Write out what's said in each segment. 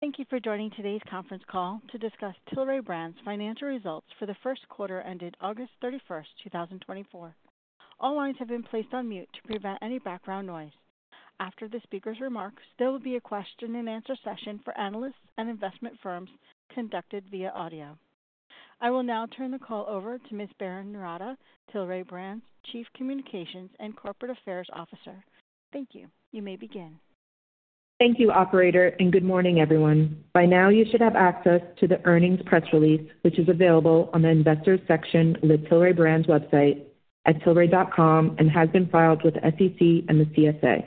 Thank you for joining today's conference call to discuss Tilray Brands' financial results for the first quarter ended August 31st, 2024. All lines have been placed on mute to prevent any background noise. After the speaker's remarks, there will be a question and answer session for analysts and investment firms conducted via audio. I will now turn the call over to Ms. Berrin Noorata, Tilray Brands Chief Communications and Corporate Affairs Officer. Thank you. You may begin. Thank you, operator, and good morning, everyone. By now, you should have access to the earnings press release, which is available on the Investors section of the Tilray Brands website at tilray.com, and has been filed with the SEC and the CSA.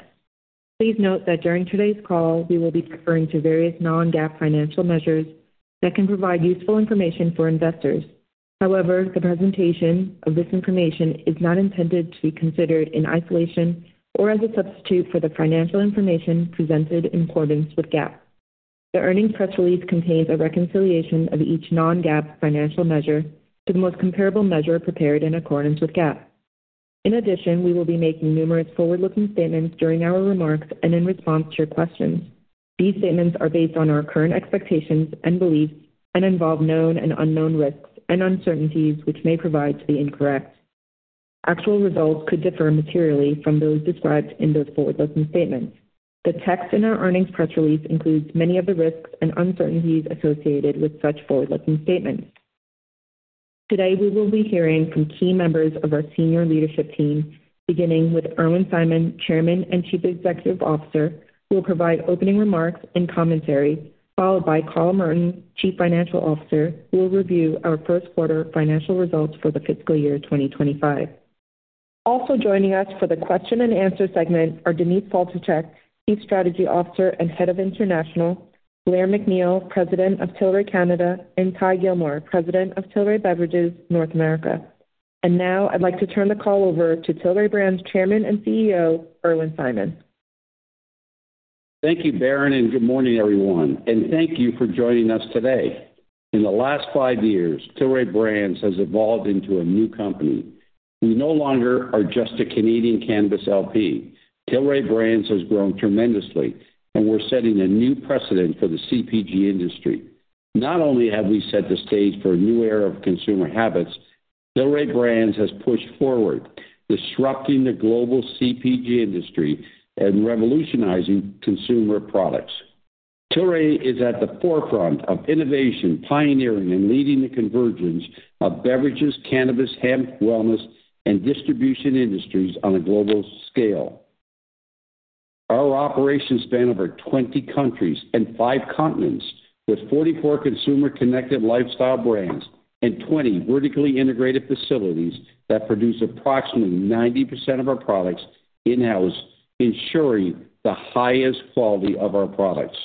Please note that during today's call, we will be referring to various non-GAAP financial measures that can provide useful information for investors. However, the presentation of this information is not intended to be considered in isolation or as a substitute for the financial information presented in accordance with GAAP. The earnings press release contains a reconciliation of each non-GAAP financial measure to the most comparable measure prepared in accordance with GAAP. In addition, we will be making numerous forward-looking statements during our remarks and in response to your questions. These statements are based on our current expectations and beliefs and involve known and unknown risks and uncertainties, which may prove to be incorrect. Actual results could differ materially from those described in those forward-looking statements. The text in our earnings press release includes many of the risks and uncertainties associated with such forward-looking statements. Today, we will be hearing from key members of our senior leadership team, beginning with Irwin Simon, Chairman and Chief Executive Officer, who will provide opening remarks and commentary, followed by Carl Merton, Chief Financial Officer, who will review our first quarter financial results for the fiscal year 2025. Also joining us for the question and answer segment are Denise Faltischek, Chief Strategy Officer and Head of International, Blair MacNeil, President of Tilray Canada, and Ty Gilmore, President of Tilray Beverages, North America. Now, I'd like to turn the call over to Tilray Brands' Chairman and CEO, Irwin Simon. Thank you, Berrin, and good morning, everyone, and thank you for joining us today. In the last five years, Tilray Brands has evolved into a new company. We no longer are just a Canadian cannabis LP. Tilray Brands has grown tremendously, and we're setting a new precedent for the CPG industry. Not only have we set the stage for a new era of consumer habits, Tilray Brands has pushed forward, disrupting the global CPG industry and revolutionizing consumer products. Tilray is at the forefront of innovation, pioneering and leading the convergence of beverages, cannabis, hemp, wellness, and distribution industries on a global scale. Our operations span over 20 countries and five continents, with 44 consumer-connected lifestyle brands and 20 vertically integrated facilities that produce approximately 90% of our products in-house, ensuring the highest quality of our products.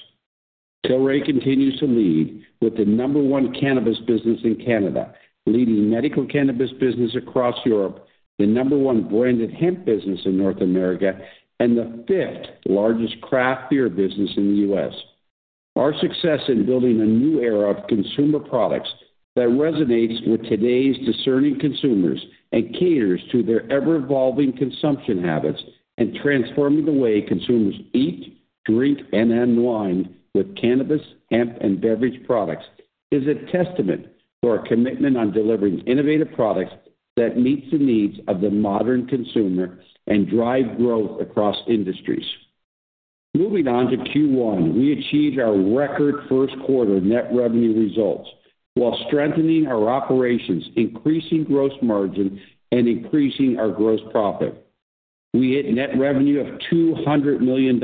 Tilray continues to lead with the number one cannabis business in Canada, leading medical cannabis business across Europe, the number one branded hemp business in North America, and the fifth-largest craft beer business in the U.S. Our success in building a new era of consumer products that resonates with today's discerning consumers and caters to their ever-evolving consumption habits, and transforming the way consumers eat, drink, and unwind with cannabis, hemp, and beverage products, is a testament to our commitment on delivering innovative products that meets the needs of the modern consumer and drive growth across industries. Moving on to Q1, we achieved our record first quarter net revenue results while strengthening our operations, increasing gross margin, and increasing our gross profit. We hit net revenue of $200 million,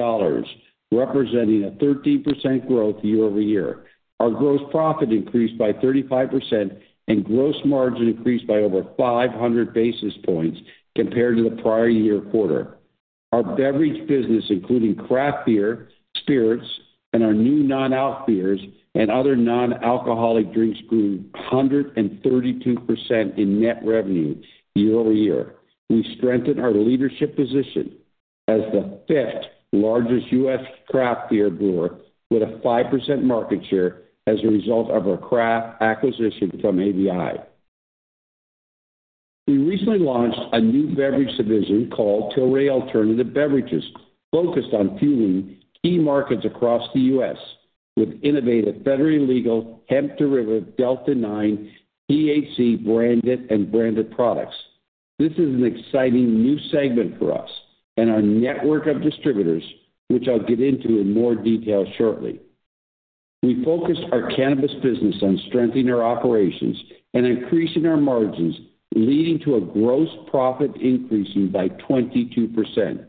representing a 13% growth year-over-year. Our gross profit increased by 35%, and gross margin increased by over 500 basis points compared to the prior year quarter. Our beverage business, including craft beer, spirits, and our new non-alc beers and other non-alcoholic drinks, grew 132% in net revenue year-over-year. We strengthened our leadership position as the fifth-largest U.S. craft beer brewer, with a 5% market share as a result of our craft acquisition from ABI. We recently launched a new beverage division called Tilray Alternative Beverages, focused on fueling key markets across the U.S. with innovative, federally legal, hemp-derived Delta-9 THC-branded and branded products. This is an exciting new segment for us and our network of distributors, which I'll get into in more detail shortly. We focused our cannabis business on strengthening our operations and increasing our margins, leading to a gross profit increasing by 22%.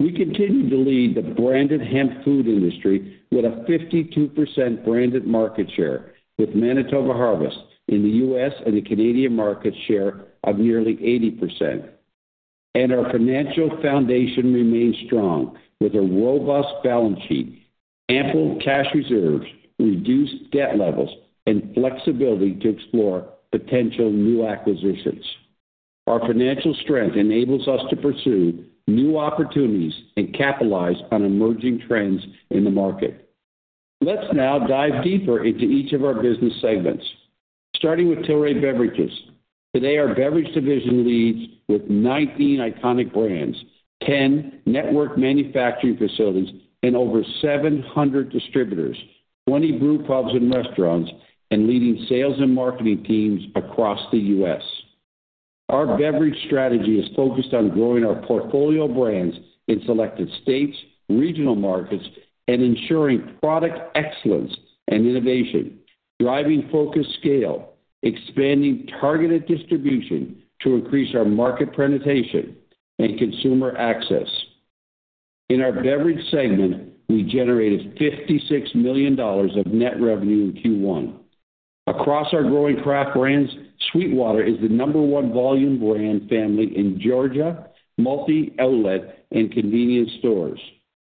We continue to lead the branded hemp food industry with a 52% branded market share, with Manitoba Harvest in the US and the Canadian market share of nearly 80%, and our financial foundation remains strong, with a robust balance sheet, ample cash reserves, reduced debt levels, and flexibility to explore potential new acquisitions. Our financial strength enables us to pursue new opportunities and capitalize on emerging trends in the market. Let's now dive deeper into each of our business segments. Starting with Tilray Beverages. Today, our beverage division leads with 19 iconic brands, 10 network manufacturing facilities, and over 700 distributors, 20 brewpubs and restaurants, and leading sales and marketing teams across the US. Our beverage strategy is focused on growing our portfolio of brands in selected states, regional markets, and ensuring product excellence and innovation, driving focused scale, expanding targeted distribution to increase our market penetration and consumer access. In our beverage segment, we generated $56 million of net revenue in Q1. Across our growing craft brands, SweetWater is the number one volume brand family in Georgia, multi-outlet, and convenience stores.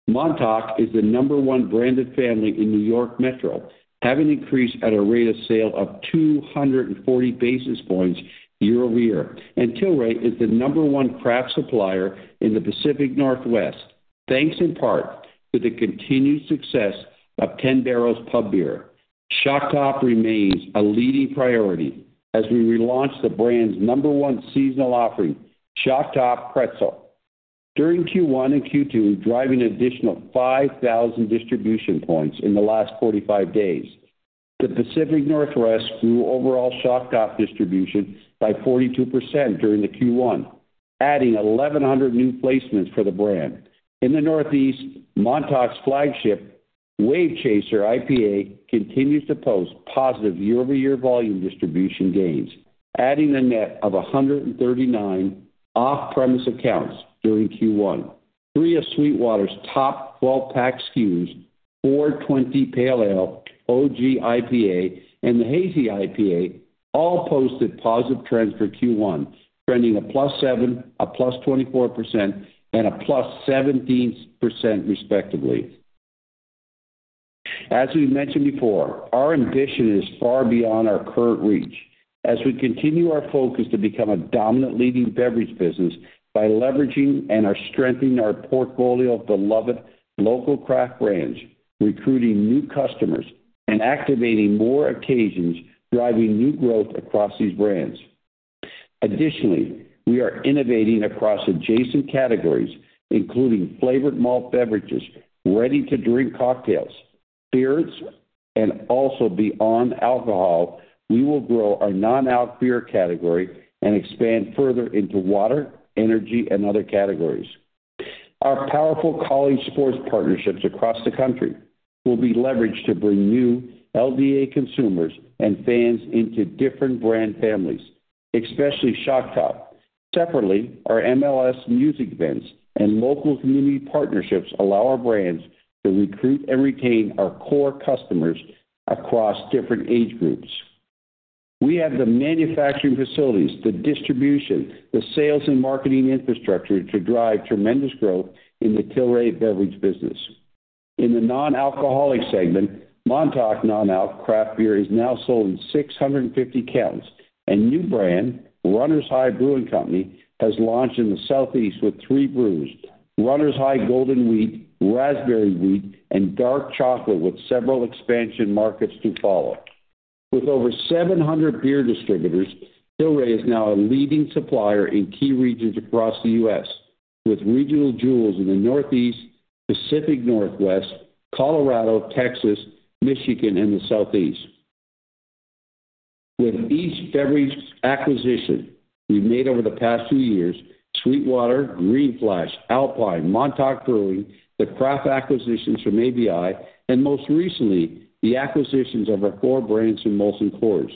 Montauk is the number one branded family in New York Metro, having increased at a rate of sale of 240 points year-over-year. And Tilray is the number one craft supplier in the Pacific Northwest, thanks in part to the continued success of 10 Barrel's Pub Beer. Shock Top remains a leading priority as we relaunch the brand's number one seasonal offering, Shock Top Pretzel. During Q1 and Q2, driving additional 5,000 distribution points in the last 45 days. The Pacific Northwest grew overall Shock Top distribution by 42% during the Q1, adding 1,100 new placements for the brand. In the Northeast, Montauk's flagship, Wave Chaser IPA, continues to post positive year-over-year volume distribution gains, adding a net of 139 off-premise accounts during Q1. Three of SweetWater's top 12-pack SKUs, 420 Pale Ale, OG IPA, and the Hazy IPA, all posted positive trends for Q1, trending a +7%, a +24%, and a +17%, respectively. As we've mentioned before, our ambition is far beyond our current reach. As we continue our focus to become a dominant leading beverage business by leveraging and are strengthening our portfolio of beloved local craft brands, recruiting new customers, and activating more occasions, driving new growth across these brands. Additionally, we are innovating across adjacent categories, including flavored malt beverages, ready-to-drink cocktails, beers, and also beyond alcohol. We will grow our non-alc beer category and expand further into water, energy, and other categories. Our powerful college sports partnerships across the country will be leveraged to bring new LDA consumers and fans into different brand families, especially Shock Top. Separately, our MLS music events and local community partnerships allow our brands to recruit and retain our core customers across different age groups. We have the manufacturing facilities, the distribution, the sales and marketing infrastructure to drive tremendous growth in the Tilray beverage business. In the non-alcoholic segment, Montauk non-alc craft beer is now sold in 650 counts, and new brand, Runner's High Brewing Company, has launched in the Southeast with three brews: Runner's High Golden Wheat, Raspberry Wheat, and Dark Chocolate, with several expansion markets to follow. With over 700 beer distributors, Tilray is now a leading supplier in key regions across the U.S., with regional jewels in the Northeast, Pacific Northwest, Colorado, Texas, Michigan, and the Southeast. With each beverage acquisition we've made over the past few years, SweetWater, Green Flash, Alpine, Montauk Brewing, the craft acquisitions from ABI, and most recently, the acquisitions of our core brands from Molson Coors.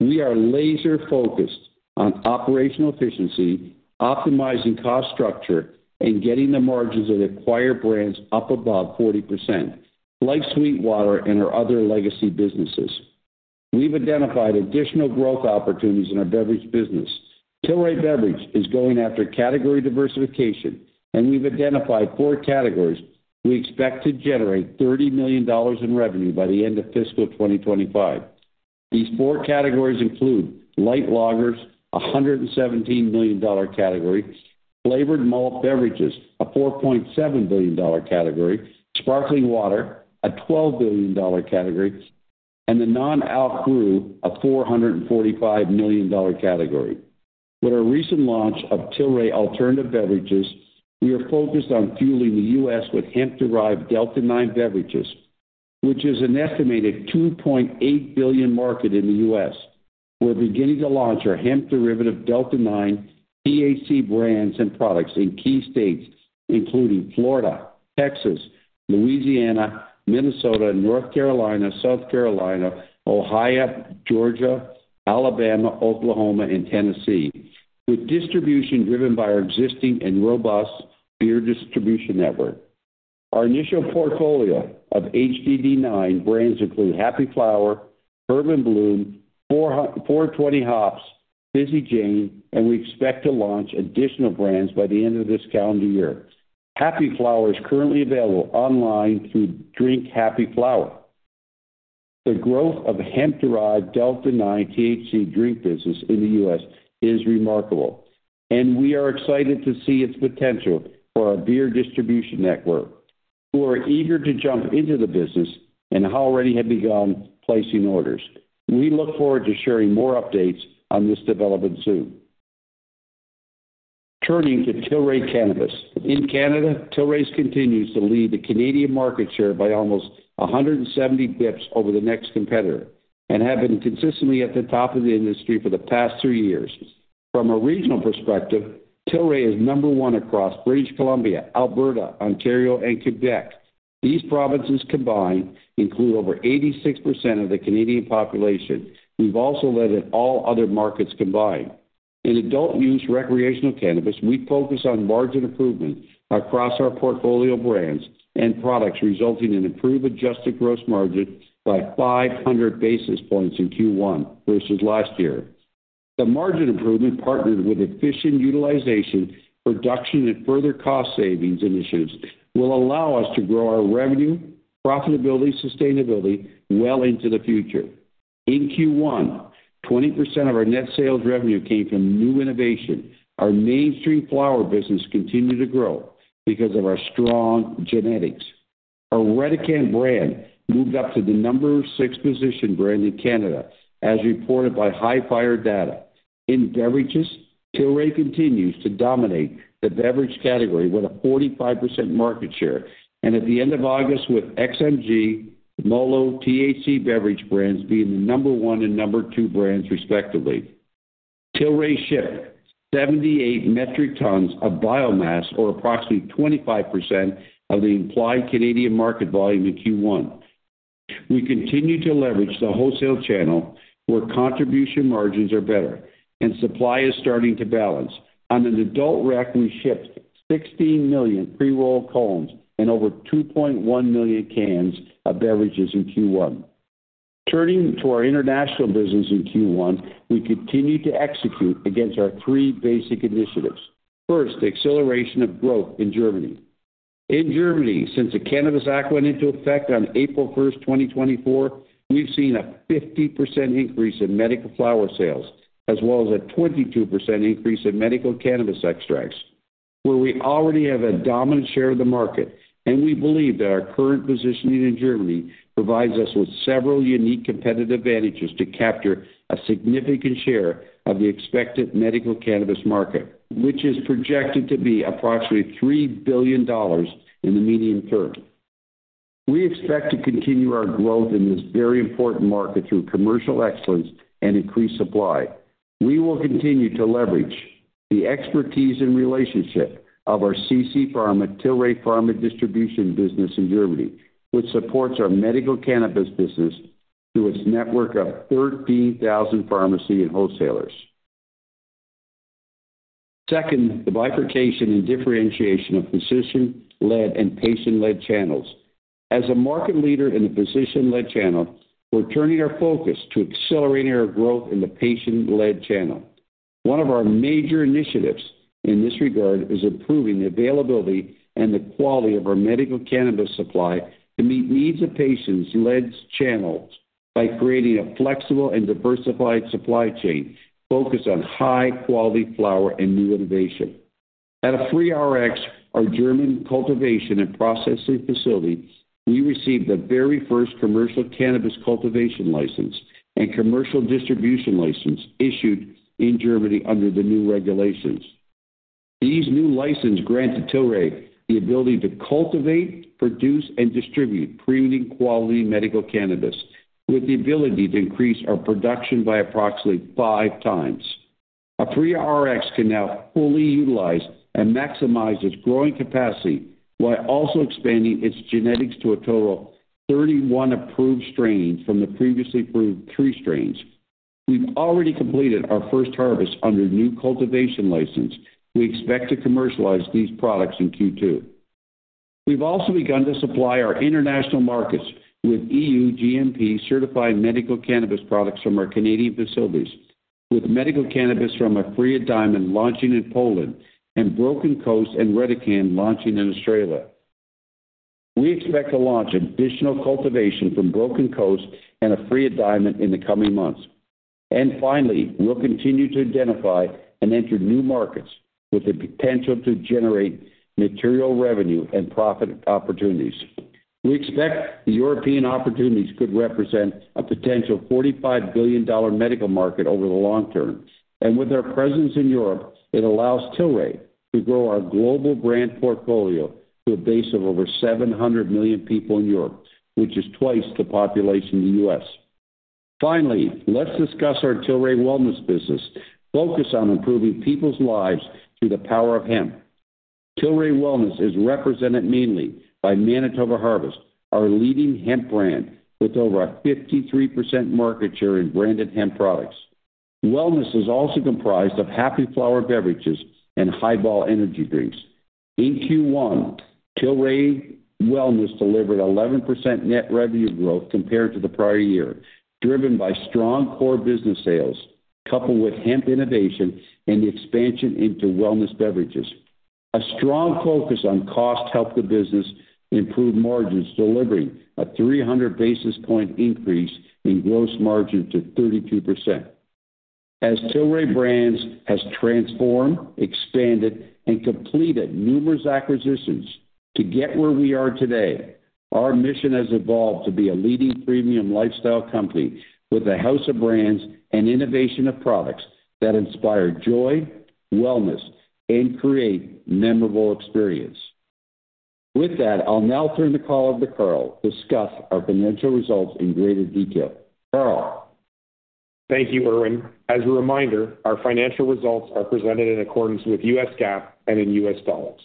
We are laser-focused on operational efficiency, optimizing cost structure, and getting the margins of the acquired brands up above 40%, like SweetWater and our other legacy businesses. We've identified additional growth opportunities in our beverage business. Tilray Beverage is going after category diversification, and we've identified four categories. We expect to generate $30 million in revenue by the end of fiscal 2025. These four categories include light lagers, a $117 billion category, flavored malt beverages, a $4.7 billion category, sparkling water, a $12 billion category, and the non-alc brew, a $445 million category. With our recent launch of Tilray Alternative Beverages, we are focused on fueling the U.S. with hemp-derived Delta-9 beverages, which is an estimated $2.8 billion market in the U.S. We're beginning to launch our hemp-derived Delta-9 THC brands and products in key states, including Florida, Texas, Louisiana, Minnesota, North Carolina, South Carolina, Ohio, Georgia, Alabama, Oklahoma, and Tennessee, with distribution driven by our existing and robust beer distribution network. Our initial portfolio of hemp-derived Delta-9 brands include Happy Flower, Herb & Bloom, 420 Hops, Fizzy Jane, and we expect to launch additional brands by the end of this calendar year. Happy Flower is currently available online through Drink Happy Flower. The growth of hemp-derived Delta-9 THC drink business in the US is remarkable, and we are excited to see its potential for our beer distribution network... who are eager to jump into the business and already have begun placing orders. We look forward to sharing more updates on this development soon. Turning to Tilray Cannabis. In Canada, Tilray continues to lead the Canadian market share by almost 170 basis points over the next competitor, and have been consistently at the top of the industry for the past three years. From a regional perspective, Tilray is number one across British Columbia, Alberta, Ontario, and Quebec. These provinces combined include over 86% of the Canadian population, we've also led in all other markets combined. In adult-use recreational cannabis, we focus on margin improvement across our portfolio of brands and products, resulting in improved adjusted gross margin by five hundred basis points in Q1 versus last year. The margin improvement, partnered with efficient utilization, production, and further cost savings initiatives, will allow us to grow our revenue, profitability, sustainability well into the future. In Q1, 20% of our net sales revenue came from new innovation. Our mainstream flower business continued to grow because of our strong genetics. Our Redecan brand moved up to the number six position brand in Canada, as reported by Hifyre. In beverages, Tilray continues to dominate the beverage category with a 45% market share, and at the end of August, with XMG, Mollo THC beverage brands being the number one and number two brands respectively. Tilray shipped 78 metric tons of biomass, or approximately 25% of the implied Canadian market volume in Q1. We continue to leverage the wholesale channel, where contribution margins are better and supply is starting to balance. On an adult rec, we shipped 16 million pre-rolled cones and over 2.1 million cans of beverages in Q1. Turning to our international business in Q1, we continued to execute against our three basic initiatives. First, the acceleration of growth in Germany. In Germany, since the Cannabis Act went into effect on April 1st, 2024, we've seen a 50% increase in medical flower sales, as well as a 22% increase in medical cannabis extracts, where we already have a dominant share of the market. We believe that our current positioning in Germany provides us with several unique competitive advantages to capture a significant share of the expected medical cannabis market, which is projected to be approximately $3 billion in the medium term. We expect to continue our growth in this very important market through commercial excellence and increased supply. We will continue to leverage the expertise and relationship of our CC Pharma, Tilray Pharma distribution business in Germany, which supports our medical cannabis business through its network of 13,000 pharmacies and wholesalers. Second, the bifurcation and differentiation of physician-led and patient-led channels. As a market leader in the physician-led channel, we're turning our focus to accelerating our growth in the patient-led channel. One of our major initiatives in this regard is improving the availability and the quality of our medical cannabis supply to meet needs of patient-led channels by creating a flexible and diversified supply chain focused on high-quality flower and new innovation. At Aphria RX, our German cultivation and processing facility, we received the very first commercial cannabis cultivation license and commercial distribution license issued in Germany under the new regulations. These new licenses grant Tilray the ability to cultivate, produce, and distribute premium quality medical cannabis, with the ability to increase our production by approximately five times. Aphria RX can now fully utilize and maximize its growing capacity, while also expanding its genetics to a total of thirty-one approved strains from the previously approved three strains. We've already completed our first harvest under the new cultivation license. We expect to commercialize these products in Q2. We've also begun to supply our international markets with E.U. GMP-certified medical cannabis products from our Canadian facilities, with medical cannabis from Aphria Diamond launching in Poland and Broken Coast and Redecan launching in Australia. We expect to launch additional cultivation from Broken Coast and Aphria Diamond in the coming months. And finally, we'll continue to identify and enter new markets with the potential to generate material revenue and profit opportunities. We expect the European opportunities could represent a potential $45 billion medical market over the long term, and with our presence in Europe, it allows Tilray to grow our global brand portfolio to a base of over 700 million people in Europe, which is twice the population of the U.S. Finally, let's discuss our Tilray Wellness business, focused on improving people's lives through the power of hemp. Tilray Wellness is represented mainly by Manitoba Harvest, our leading hemp brand, with over a 53% market share in branded hemp products. Wellness is also comprised of Happy Flower beverages and Hiball energy drinks. In Q1, Tilray Wellness delivered 11% net revenue growth compared to the prior year, driven by strong core business sales, coupled with hemp innovation and the expansion into wellness beverages. A strong focus on cost helped the business improve margins, delivering a three hundred basis points increase in gross margin to 32%... As Tilray Brands has transformed, expanded, and completed numerous acquisitions to get where we are today, our mission has evolved to be a leading premium lifestyle company with a house of brands and innovation of products that inspire joy, wellness, and create memorable experience. With that, I'll now turn the call over to Carl to discuss our financial results in greater detail. Carl? Thank you, Irwin. As a reminder, our financial results are presented in accordance with U.S. GAAP and in U.S. dollars.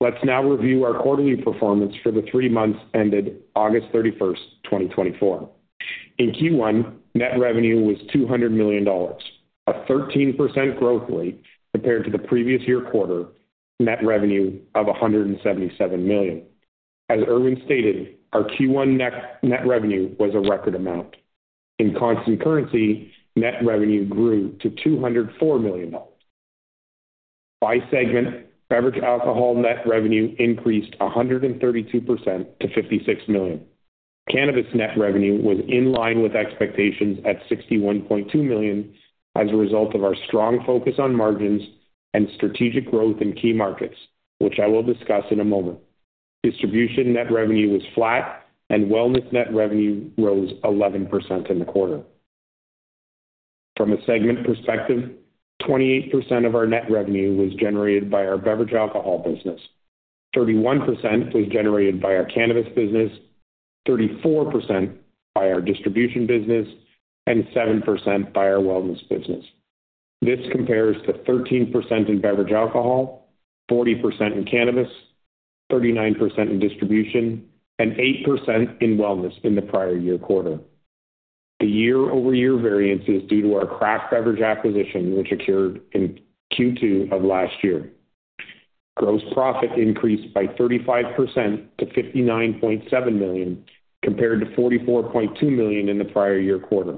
Let's now review our quarterly performance for the three months ended August 31st, 2024. In Q1, net revenue was $200 million, a 13% growth rate compared to the previous year quarter net revenue of $177 million. As Irwin stated, our Q1 net revenue was a record amount. In constant currency, net revenue grew to $204 million. By segment, beverage alcohol net revenue increased 132% to $56 million. Cannabis net revenue was in line with expectations at $61.2 million as a result of our strong focus on margins and strategic growth in key markets, which I will discuss in a moment. Distribution net revenue was flat, and wellness net revenue rose 11% in the quarter. From a segment perspective, 28% of our net revenue was generated by our beverage alcohol business, 31% was generated by our cannabis business, 34% by our distribution business, and 7% by our wellness business. This compares to 13% in beverage alcohol, 40% in cannabis, 39% in distribution, and 8% in wellness in the prior year quarter. The year-over-year variance is due to our craft beverage acquisition, which occurred in Q2 of last year. Gross profit increased by 35% to $59.7 million, compared to $44.2 million in the prior year quarter.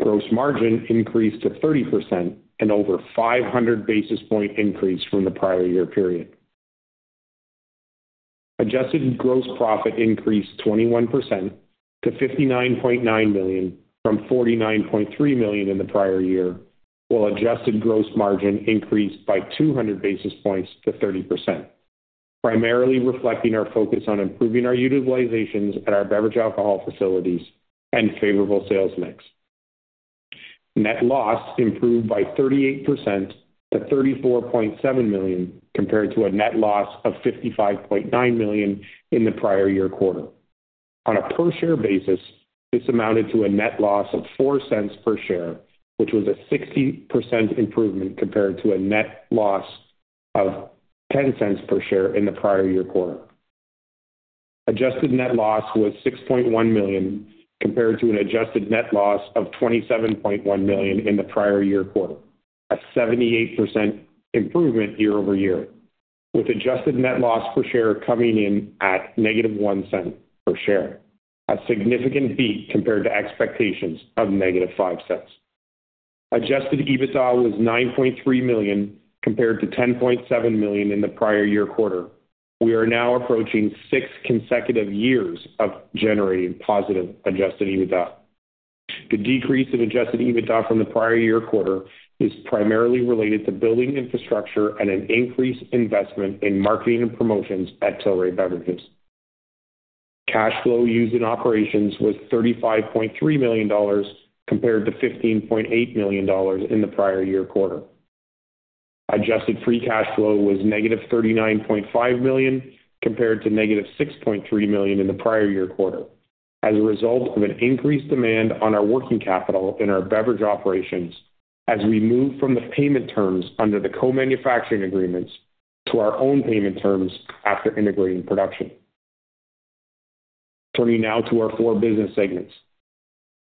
Gross margin increased to 30% and over 500 basis point increase from the prior year period. Adjusted gross profit increased 21% to $59.9 million, from $49.3 million in the prior year, while adjusted gross margin increased by 200 basis points to 30%, primarily reflecting our focus on improving our utilizations at our beverage alcohol facilities and favorable sales mix. Net loss improved by 38% to $34.7 million, compared to a net loss of $55.9 million in the prior year quarter. On a per-share basis, this amounted to a net loss of $0.04 per share, which was a 60% improvement compared to a net loss of $0.10 per share in the prior year quarter. Adjusted net loss was $6.1 million, compared to an adjusted net loss of $27.1 million in the prior year quarter, a 78% improvement year-over-year, with adjusted net loss per share coming in at -$0.01 per share, a significant beat compared to expectations of -$0.05. Adjusted EBITDA was $9.3 million, compared to $10.7 million in the prior year quarter. We are now approaching six consecutive years of generating positive Adjusted EBITDA. The decrease in Adjusted EBITDA from the prior year quarter is primarily related to building infrastructure and an increased investment in marketing and promotions at Tilray Beverages. Cash flow used in operations was $35.3 million, compared to $15.8 million in the prior year quarter. Adjusted Free Cash Flow was -$39.5 million, compared to -$6.3 million in the prior year quarter, as a result of an increased demand on our working capital in our beverage operations as we move from the payment terms under the co-manufacturing agreements to our own payment terms after integrating production. Turning now to our four business segments.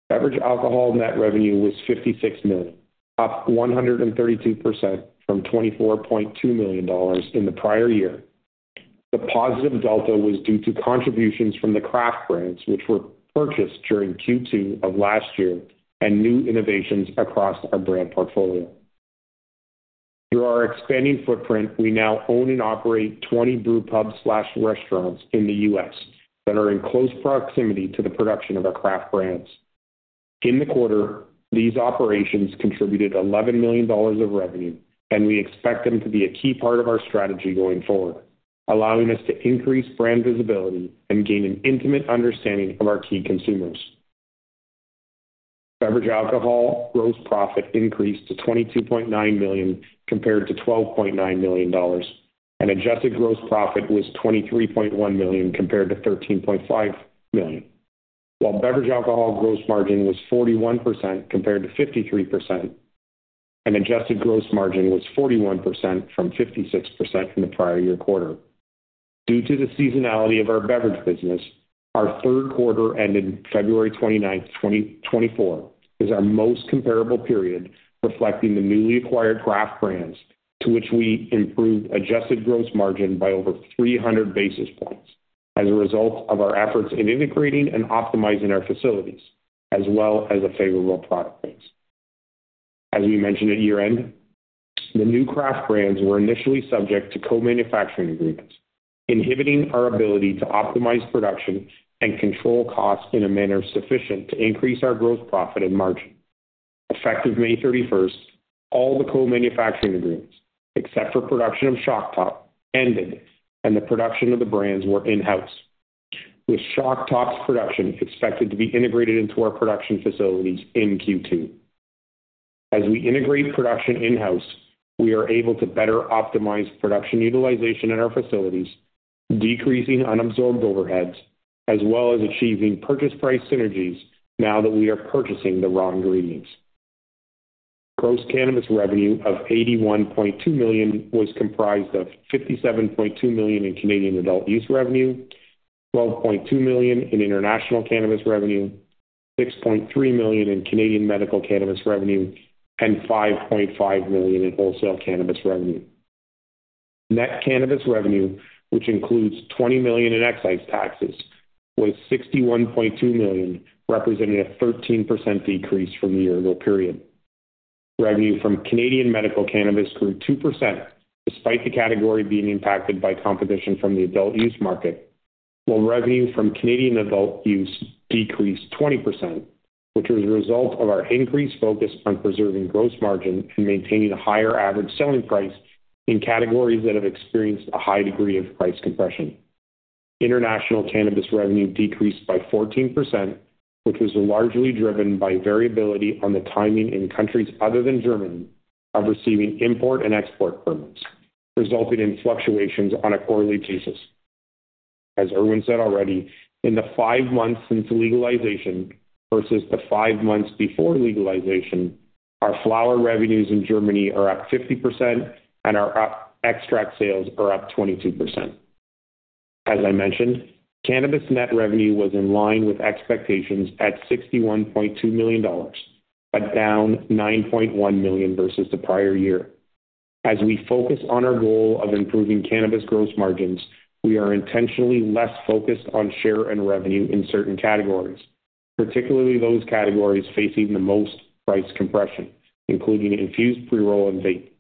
Beverage alcohol net revenue was $56 million, up 132% from $24.2 million in the prior year. The positive delta was due to contributions from the craft brands, which were purchased during Q2 of last year, and new innovations across our brand portfolio. Through our expanding footprint, we now own and operate 20 brewpub/restaurants in the U.S. that are in close proximity to the production of our craft brands. In the quarter, these operations contributed $11 million of revenue, and we expect them to be a key part of our strategy going forward, allowing us to increase brand visibility and gain an intimate understanding of our key consumers. Beverage alcohol gross profit increased to $22.9 million compared to $12.9 million, and adjusted gross profit was $23.1 million compared to $13.5 million. While beverage alcohol gross margin was 41% compared to 53%, and adjusted gross margin was 41% from 56% in the prior year quarter. Due to the seasonality of our beverage business, our third quarter, ended February 29th, 2024, is our most comparable period, reflecting the newly acquired craft brands, to which we improved adjusted gross margin by over three hundred basis points as a result of our efforts in integrating and optimizing our facilities, as well as a favorable product mix. As we mentioned at year-end... The new craft brands were initially subject to co-manufacturing agreements, inhibiting our ability to optimize production and control costs in a manner sufficient to increase our gross profit and margin. Effective May thirty-first, all the co-manufacturing agreements, except for production of Shock Top, ended, and the production of the brands were in-house, with Shock Top's production expected to be integrated into our production facilities in Q2. As we integrate production in-house, we are able to better optimize production utilization in our facilities, decreasing unabsorbed overheads, as well as achieving purchase price synergies now that we are purchasing the raw ingredients. Gross cannabis revenue of $81.2 million was comprised of $57.2 million in Canadian adult use revenue, $12.2 million in international cannabis revenue, $6.3 million in Canadian medical cannabis revenue, and $5.5 million in wholesale cannabis revenue. Net cannabis revenue, which includes $20 million in excise taxes, was $61.2 million, representing a 13% decrease from the year-ago period. Revenue from Canadian medical cannabis grew 2%, despite the category being impacted by competition from the adult use market, while revenue from Canadian adult use decreased 20%, which was a result of our increased focus on preserving gross margin and maintaining a higher average selling price in categories that have experienced a high degree of price compression. International cannabis revenue decreased by 14%, which was largely driven by variability on the timing in countries other than Germany, of receiving import and export permits, resulting in fluctuations on a quarterly basis. As Irwin said already, in the five months since legalization versus the five months before legalization, our flower revenues in Germany are up 50% and our extract sales are up 22%. As I mentioned, cannabis net revenue was in line with expectations at $61.2 million, but down $9.1 million versus the prior year. As we focus on our goal of improving cannabis gross margins, we are intentionally less focused on share and revenue in certain categories, particularly those categories facing the most price compression, including infused pre-roll and vape.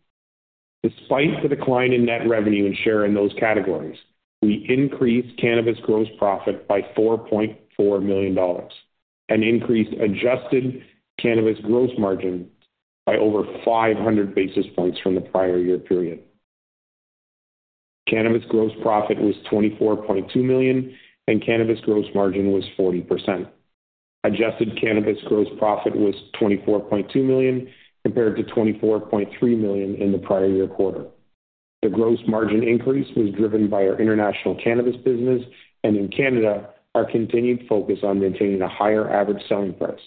Despite the decline in net revenue and share in those categories, we increased cannabis gross profit by $4.4 million and increased adjusted cannabis gross margin by over 500 basis points from the prior year period. Cannabis gross profit was $24.2 million, and cannabis gross margin was 40%. Adjusted cannabis gross profit was $24.2 million, compared to $24.3 million in the prior year quarter. The gross margin increase was driven by our international cannabis business, and in Canada, our continued focus on maintaining a higher average selling price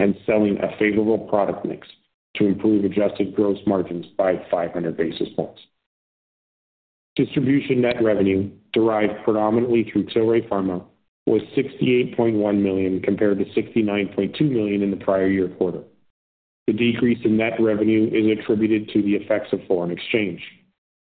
and selling a favorable product mix to improve adjusted gross margins by 500 basis points. Distribution net revenue, derived predominantly through Tilray Pharma, was $68.1 million, compared to $69.2 million in the prior year quarter. The decrease in net revenue is attributed to the effects of foreign exchange.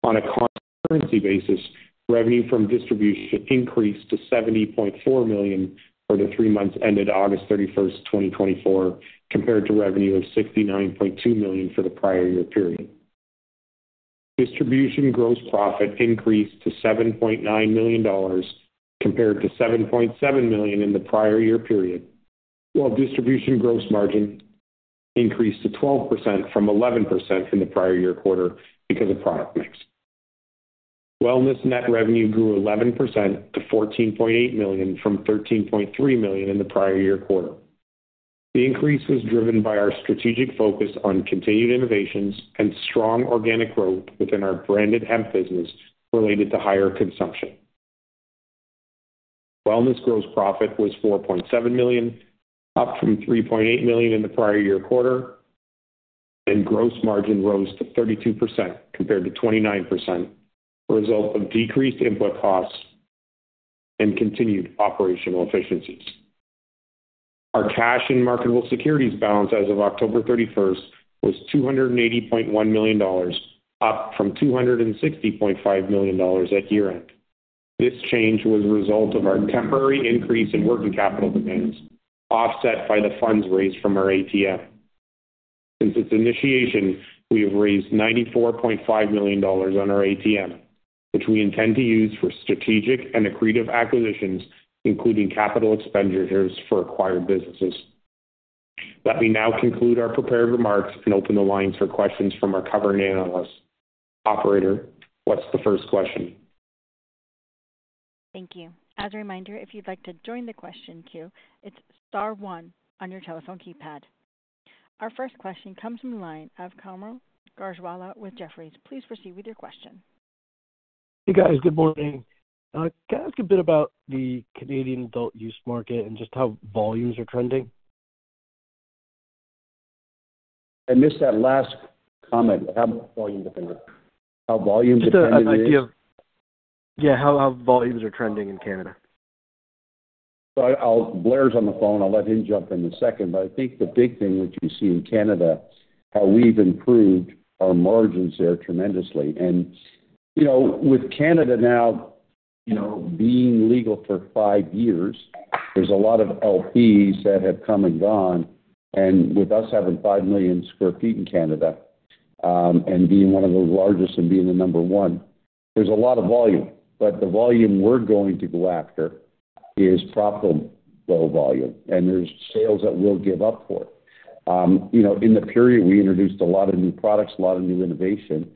On a constant currency basis, revenue from distribution increased to $70.4 million for the three months ended August 31st, 2024, compared to revenue of $69.2 million for the prior year period. Distribution gross profit increased to $7.9 million, compared to $7.7 million in the prior year period, while distribution gross margin increased to 12% from 11% in the prior year quarter because of product mix. Wellness net revenue grew 11% to $14.8 million from $13.3 million in the prior year quarter. The increase was driven by our strategic focus on continued innovations and strong organic growth within our branded hemp business related to higher consumption. Wellness gross profit was $4.7 million, up from $3.8 million in the prior year quarter, and gross margin rose to 32%, compared to 29%, a result of decreased input costs and continued operational efficiencies. Our cash and marketable securities balance as of October 31st was $280.1 million, up from $260.5 million at year-end. This change was a result of our temporary increase in working capital demands, offset by the funds raised from our ATM. Since its initiation, we have raised $94.5 million on our ATM, which we intend to use for strategic and accretive acquisitions, including capital expenditures for acquired businesses. Let me now conclude our prepared remarks and open the lines for questions from our covering analysts. Operator, what's the first question? Thank you. As a reminder, if you'd like to join the question queue, it's star one on your telephone keypad. Our first question comes from the line of Kaumil Gajrawala with Jefferies. Please proceed with your question. Hey, guys. Good morning. Can I ask a bit about the Canadian adult use market and just how volumes are trending? I missed that last comment. How volumes are trending is? Just an idea of... Yeah, how volumes are trending in Canada. Blair's on the phone. I'll let him jump in a second, but I think the big thing that you see in Canada, how we've improved our margins there tremendously. And, you know, with Canada now you know, being legal for five years, there's a lot of LPs that have come and gone, and with us having 5 million sq ft in Canada, and being one of the largest and being the number one, there's a lot of volume. But the volume we're going to go after is profitable volume, and there's sales that we'll give up for. You know, in the period, we introduced a lot of new products, a lot of new innovation.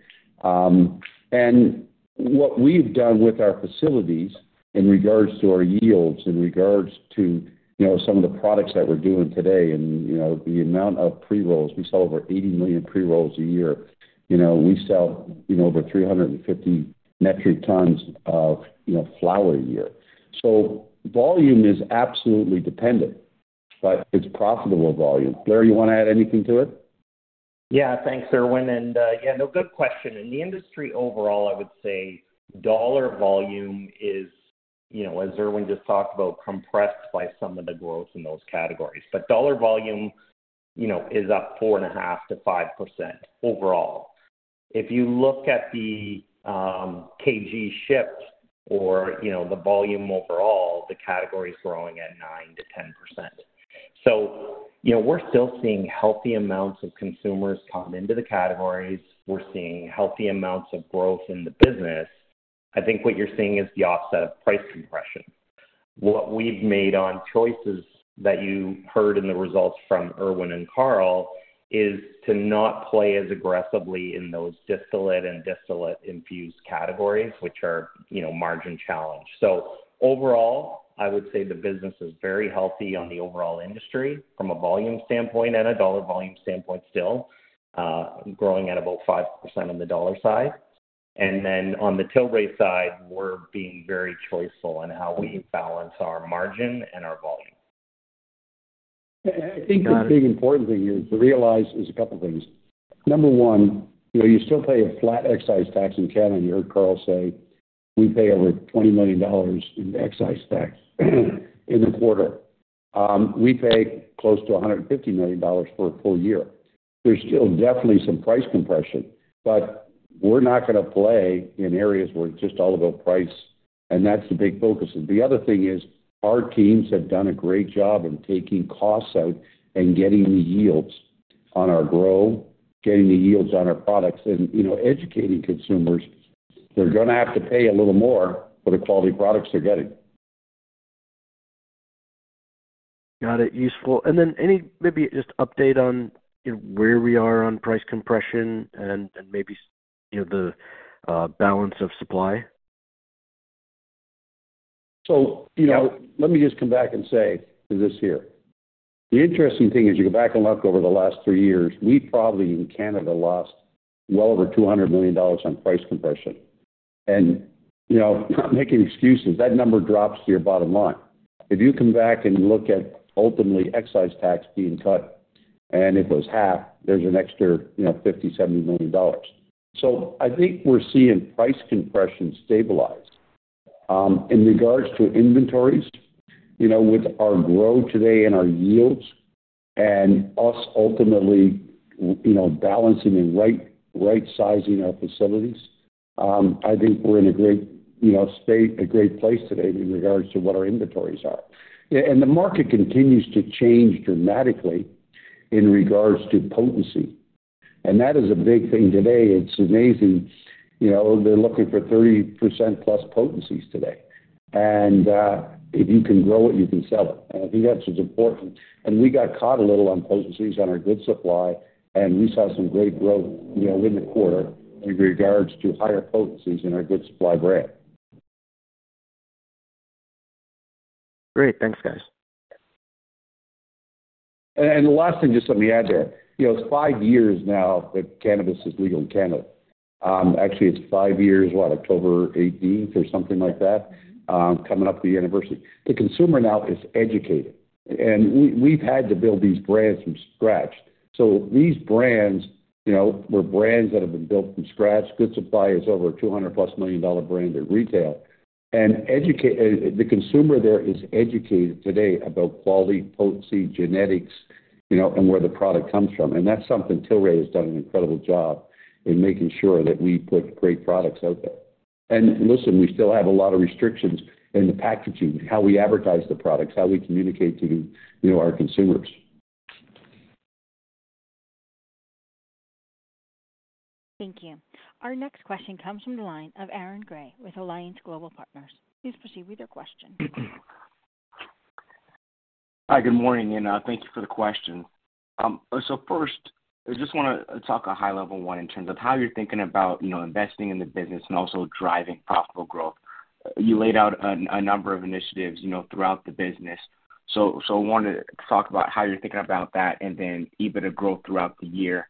And what we've done with our facilities in regards to our yields, in regards to, you know, some of the products that we're doing today, and, you know, the amount of pre-rolls, we sell over 80 million pre-rolls a year. You know, we sell, you know, over 350 metric tons of, you know, flower a year. Volume is absolutely dependent, but it's profitable volume. Blair, you want to add anything to it? Yeah, thanks, Irwin. And, yeah, no, good question. In the industry overall, I would say dollar volume is, you know, as Irwin just talked about, compressed by some of the growth in those categories. But dollar volume, you know, is up 4.5%-5% overall. If you look at the, kg shipped or, you know, the volume overall, the category is growing at 9%-10%. So, you know, we're still seeing healthy amounts of consumers come into the categories. We're seeing healthy amounts of growth in the business. I think what you're seeing is the offset of price compression. What we've made on choices that you heard in the results from Irwin and Carl, is to not play as aggressively in those distillate and distillate infused categories, which are, you know, margin challenged. So overall, I would say the business is very healthy on the overall industry from a volume standpoint and a dollar volume standpoint, still growing at about 5% on the dollar side. And then on the Tilray side, we're being very choiceful on how we balance our margin and our volume. I think the big important thing here to realize is a couple things. Number one, you know, you still pay a flat excise tax in Canada. You heard Carl say we pay over $20 million in excise tax in the quarter. We pay close to $150 million for a full year. There's still definitely some price compression, but we're not going to play in areas where it's just all about price, and that's the big focus. The other thing is our teams have done a great job in taking costs out and getting the yields on our grow, getting the yields on our products, and, you know, educating consumers. They're going to have to pay a little more for the quality products they're getting. Got it. Useful. And then any maybe just update on, you know, where we are on price compression and maybe, you know, the balance of supply? So, you know, let me just come back and say this here. The interesting thing is, you go back and look over the last three years, we probably, in Canada, lost well over $200 million on price compression. And, you know, I'm not making excuses. That number drops to your bottom line. If you come back and look at ultimately excise tax being cut, and it was half, there's an extra, you know, $50 million-$70 million. So I think we're seeing price compression stabilize. In regards to inventories, you know, with our grow today and our yields and us ultimately, you know, balancing and right, right-sizing our facilities, I think we're in a great, you know, state, a great place today in regards to what our inventories are. And the market continues to change dramatically in regards to potency, and that is a big thing today. It's amazing, you know, they're looking for 30% plus potencies today, and if you can grow it, you can sell it. And I think that's what's important. And we got caught a little on potencies on our Good Supply, and we saw some great growth, you know, in the quarter in regards to higher potencies in our Good Supply brand. Great. Thanks, guys. And the last thing, just let me add there. You know, it's five years now that cannabis is legal in Canada. Actually, it's five years, what, October eighteenth or something like that, coming up the anniversary. The consumer now is educated, and we, we've had to build these brands from scratch. So these brands, you know, were brands that have been built from scratch. Good Supply is over $200 million+ brand in retail. The consumer there is educated today about quality, potency, genetics, you know, and where the product comes from. And that's something Tilray has done an incredible job in making sure that we put great products out there. And listen, we still have a lot of restrictions in the packaging, how we advertise the products, how we communicate to the, you know, our consumers. Thank you. Our next question comes from the line of Aaron Gray with Alliance Global Partners. Please proceed with your question. Hi, good morning, and thank you for the question. First, I just want to talk at a high level in terms of how you're thinking about, you know, investing in the business and also driving profitable growth. You laid out a number of initiatives, you know, throughout the business. I wanted to talk about how you're thinking about that and then EBITDA growth throughout the year,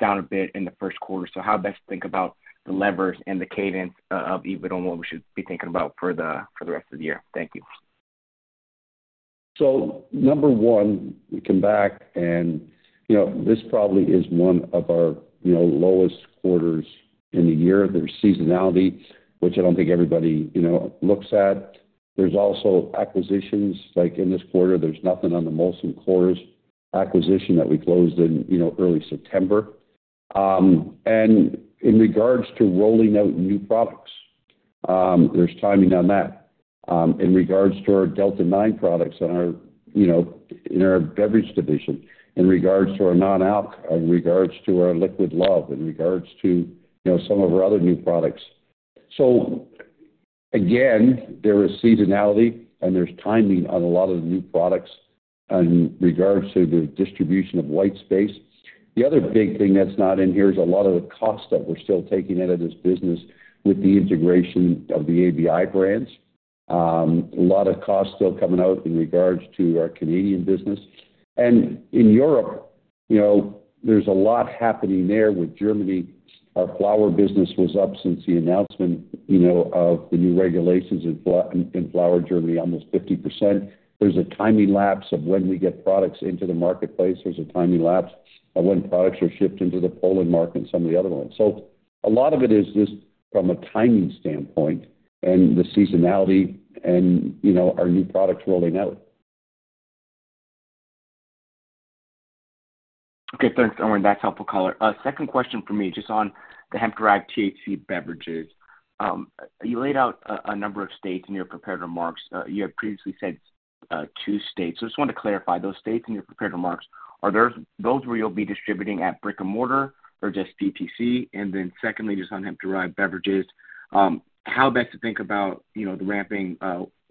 down a bit in the first quarter. How best to think about the levers and the cadence of EBITDA and what we should be thinking about for the rest of the year? Thank you. So number one, we come back and, you know, this probably is one of our, you know, lowest quarters in the year. There's seasonality, which I don't think everybody, you know, looks at. There's also acquisitions, like in this quarter, there's nothing on the Molson Coors acquisition that we closed in, you know, early September. And in regards to rolling out new products, there's timing on that. In regards to our Delta-9 products and our, you know, in our beverage division, in regards to our non-alc, in regards to our Liquid Love, in regards to, you know, some of our other new products. So again, there is seasonality and there's timing on a lot of the new products in regards to the distribution of white space. The other big thing that's not in here is a lot of the cost that we're still taking out of this business with the integration of the ABI brands. A lot of costs still coming out in regards to our Canadian business, and in Europe, you know, there's a lot happening there with Germany. Our flower business was up since the announcement, you know, of the new regulations in flower Germany, almost 50%. There's a timing lapse of when we get products into the marketplace. There's a timing lapse of when products are shipped into the Poland market and some of the other ones. So a lot of it is just from a timing standpoint and the seasonality and, you know, our new products rolling out. Okay, thanks, Irwin. That's helpful color. Second question for me, just on the hemp-derived THC beverages. You laid out a number of states in your prepared remarks. You had previously said two states. So I just wanted to clarify, those states in your prepared remarks, are those where you'll be distributing at brick-and-mortar or just DTC? And then secondly, just on hemp-derived beverages, how best to think about, you know, the ramping,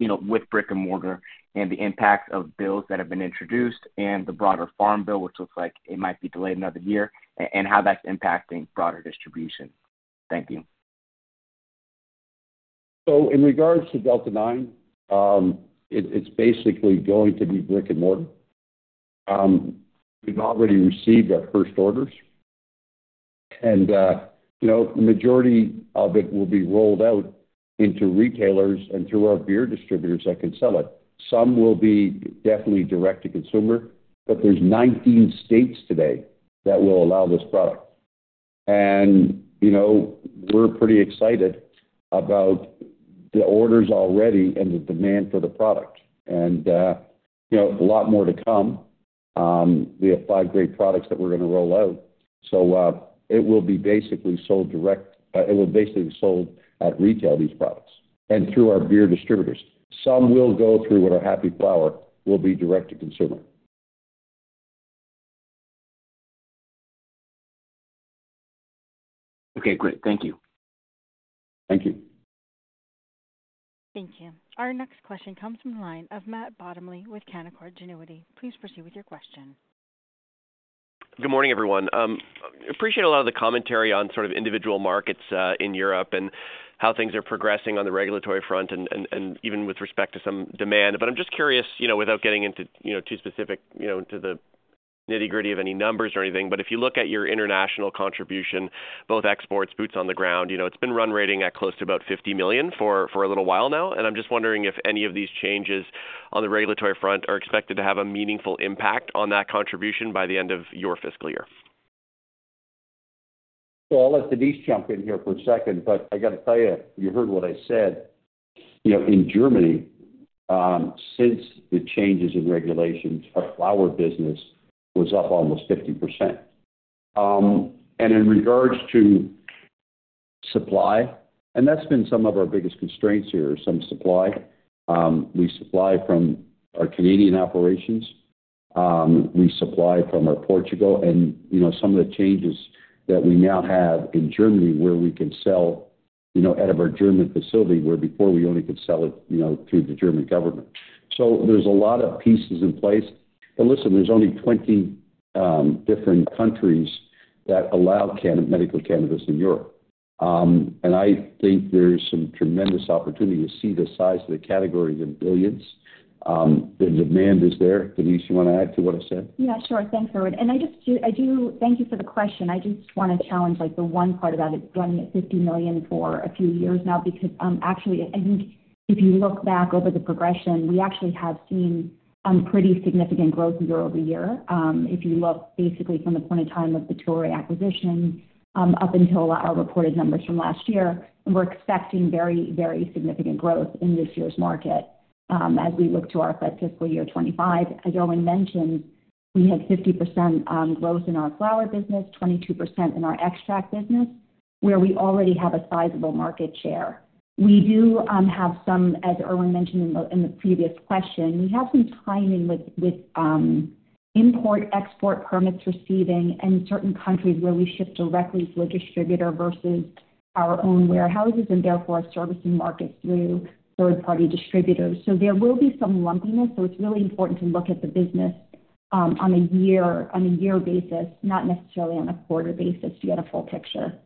you know, with brick-and-mortar and the impact of bills that have been introduced and the broader Farm Bill, which looks like it might be delayed another year, and how that's impacting broader distribution? Thank you. So in regards to Delta-9, it's basically going to be brick-and-mortar. We've already received our first orders, and, you know, the majority of it will be rolled out into retailers and through our beer distributors that can sell it. Some will be definitely direct to consumer, but there's nineteen states today that will allow this product. And, you know, we're pretty excited about the orders already and the demand for the product, and, you know, a lot more to come. We have five great products that we're going to roll out, so, it will basically be sold at retail, these products, and through our beer distributors. Some will go through what our Happy Flower will be direct-to-consumer. Okay, great. Thank you. Thank you. Thank you. Our next question comes from the line of Matt Bottomley with Canaccord Genuity. Please proceed with your question. Good morning, everyone. Appreciate a lot of the commentary on sort of individual markets in Europe and how things are progressing on the regulatory front and even with respect to some demand. But I'm just curious, you know, without getting into, you know, too specific, you know, into the nitty-gritty of any numbers or anything, but if you look at your international contribution, both exports, boots on the ground, you know, it's been run-rate at close to about $50 million for a little while now. And I'm just wondering if any of these changes on the regulatory front are expected to have a meaningful impact on that contribution by the end of your fiscal year. So I'll let Denise jump in here for a second, but I got to tell you, you heard what I said. You know, in Germany, since the changes in regulations, our flower business was up almost 50%. And in regards to supply, and that's been some of our biggest constraints here, some supply. We supply from our Canadian operations, we supply from our Portugal and, you know, some of the changes that we now have in Germany, where we can sell, you know, out of our German facility, where before we only could sell it, you know, through the German government. So there's a lot of pieces in place. But listen, there's only 20 different countries that allow medical cannabis in Europe. And I think there's some tremendous opportunity to see the size of the category in billions. The demand is there. Denise, you want to add to what I said? Yeah, sure. Thanks, Irwin. And I just... Thank you for the question. I just want to challenge, like, the one part about it running at fifty million for a few years now, because, actually, I think if you look back over the progression, we actually have seen, pretty significant growth year-over-year. If you look basically from the point of time of the Tilray acquisition, up until our reported numbers from last year, we're expecting very, very significant growth in this year's market. As we look to our fiscal year 2025, as Irwin mentioned, we had 50% growth in our flower business, 22% in our extract business, where we already have a sizable market share. We do have some, as Irwin mentioned in the previous question, we have some timing with import/export permits receiving in certain countries where we ship directly to a distributor versus our own warehouses, and therefore are servicing markets through third-party distributors. So there will be some lumpiness, so it's really important to look at the business on a year basis, not necessarily on a quarter basis, to get a full picture.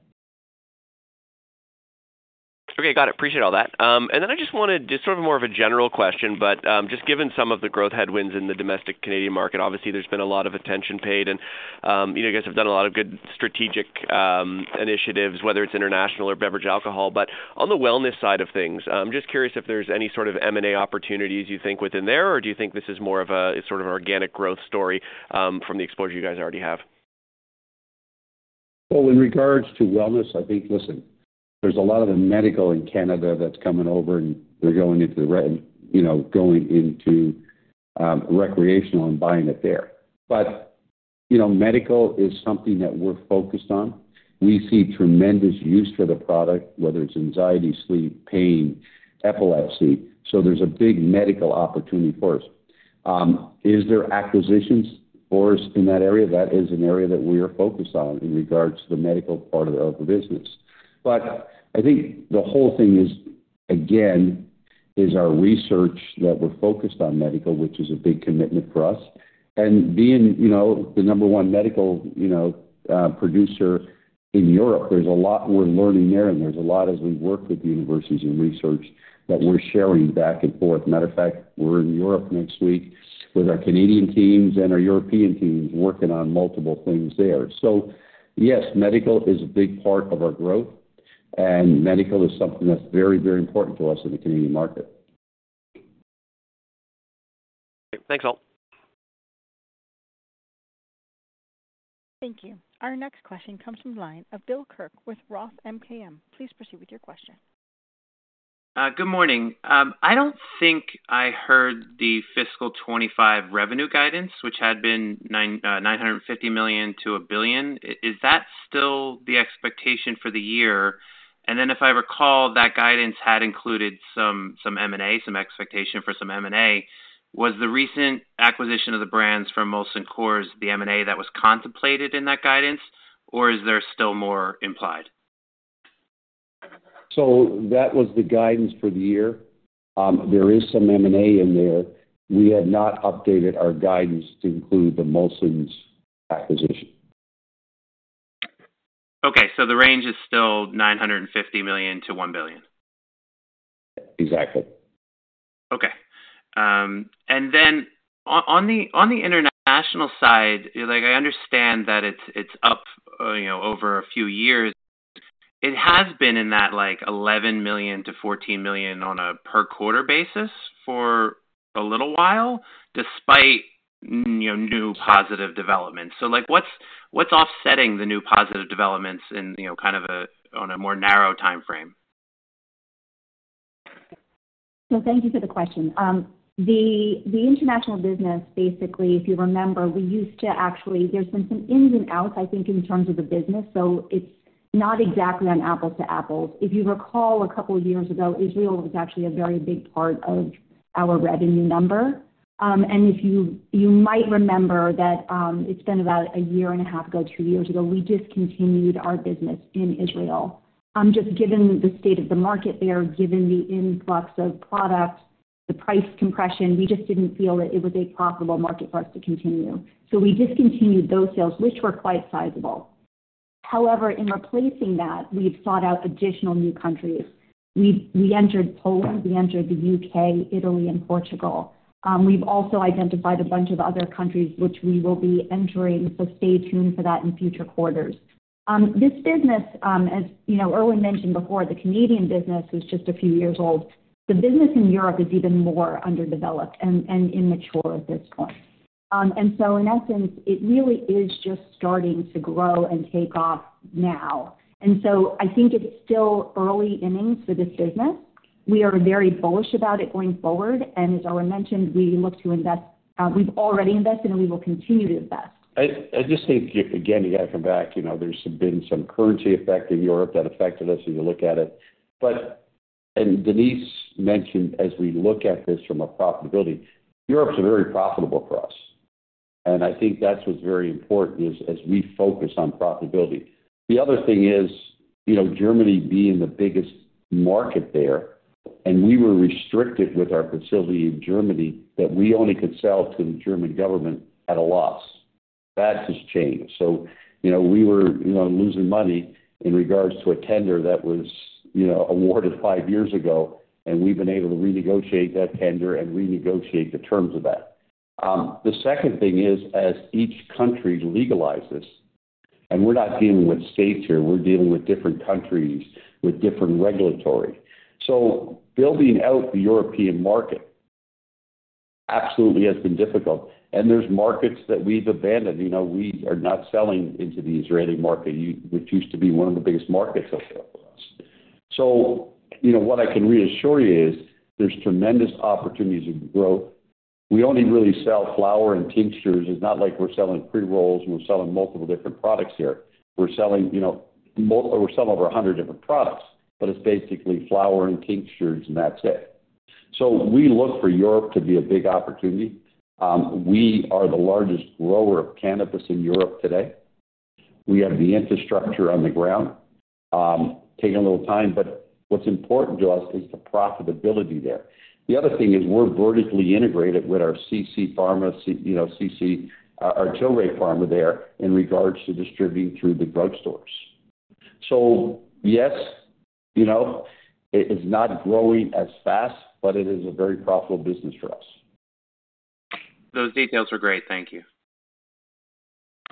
Okay, got it. Appreciate all that, and then I just wanted just sort of more of a general question, but, just given some of the growth headwinds in the domestic Canadian market, obviously, there's been a lot of attention paid, and, you guys have done a lot of good strategic initiatives, whether it's international or beverage alcohol. But on the wellness side of things, I'm just curious if there's any sort of M&A opportunities you think within there, or do you think this is more of a, sort of organic growth story, from the exposure you guys already have? Well, in regards to wellness, I think, there's a lot of the medical in Canada that's coming over, and they're going into, you know, recreational and buying it there. But, you know, medical is something that we're focused on. We see tremendous use for the product, whether it's anxiety, sleep, pain, epilepsy, so there's a big medical opportunity for us. Is there acquisitions for us in that area? That is an area that we are focused on in regards to the medical part of the business. But I think the whole thing is, again, our research that we're focused on medical, which is a big commitment for us. Being, you know, the number one medical, you know, producer in Europe, there's a lot we're learning there, and there's a lot as we work with universities and research that we're sharing back and forth. Matter of fact, we're in Europe next week with our Canadian teams and our European teams, working on multiple things there. Yes, medical is a big part of our growth, and medical is something that's very, very important to us in the Canadian market. Thanks, all. Thank you. Our next question comes from the line of Bill Kirk with Roth MKM. Please proceed with your question. Good morning. I don't think I heard the fiscal 2025 revenue guidance, which had been $950 million-$1 billion. Is that still the expectation for the year? And then, if I recall, that guidance had included some M&A, some expectation for M&A. Was the recent acquisition of the brands from Molson Coors the M&A that was contemplated in that guidance, or is there still more implied? So that was the guidance for the year. There is some M&A in there. We have not updated our guidance to include the Molson's acquisition. Okay, so the range is still $950 million-$1 billion? Exactly. Okay. And then on the international side, like, I understand that it's up, you know, over a few years. It has been in that, like, $11 million-$14 million on a per quarter basis for a little while, despite, you know, new positive developments. So like, what's offsetting the new positive developments in, you know, kind of a, on a more narrow timeframe? So thank you for the question. The international business, basically, if you remember, we used to actually. There's been some ins and outs, I think, in terms of the business, so it's not exactly an apples to apples. If you recall, a couple of years ago, Israel was actually a very big part of our revenue number. And if you might remember that, it's been about a year and a half ago, two years ago, we discontinued our business in Israel. Just given the state of the market there, given the influx of products, the price compression, we just didn't feel that it was a profitable market for us to continue. So we discontinued those sales, which were quite sizable. However, in replacing that, we've sought out additional new countries. We've entered Poland, we entered the U.K., Italy and Portugal. We've also identified a bunch of other countries which we will be entering, so stay tuned for that in future quarters. This business, as you know, Irwin mentioned before, the Canadian business is just a few years old. The business in Europe is even more underdeveloped and immature at this point. And so in essence, it really is just starting to grow and take off now. And so I think it's still early innings for this business. We are very bullish about it going forward, and as Irwin mentioned, we look to invest, we've already invested, and we will continue to invest. I just think, again, you gotta come back, you know, there's been some currency effect in Europe that affected us, as you look at it. But, and Denise mentioned, as we look at this from a profitability, Europe's very profitable for us, and I think that's what's very important is, as we focus on profitability. The other thing is, you know, Germany being the biggest market there, and we were restricted with our facility in Germany, that we only could sell to the German government at a loss. That has changed. So, you know, we were, you know, losing money in regards to a tender that was, you know, awarded five years ago, and we've been able to renegotiate that tender and renegotiate the terms of that. The second thing is, as each country legalizes, and we're not dealing with states here, we're dealing with different countries with different regulatory. So building out the European market absolutely has been difficult, and there's markets that we've abandoned. You know, we are not selling into the Israeli market, which used to be one of the biggest markets out there for us. So, you know, what I can reassure you is there's tremendous opportunities of growth. We only really sell flower and tinctures. It's not like we're selling pre-rolls, and we're selling multiple different products here. We're selling, you know, over 100 different products, but it's basically flower and tinctures, and that's it. So we look for Europe to be a big opportunity. We are the largest grower of cannabis in Europe today. We have the infrastructure on the ground. Taking a little time, but what's important to us is the profitability there. The other thing is we're vertically integrated with our CC Pharma, you know, CC, our Tilray Pharma there in regards to distributing through the drugstores. So yes, you know, it is not growing as fast, but it is a very profitable business for us. Those details are great. Thank you.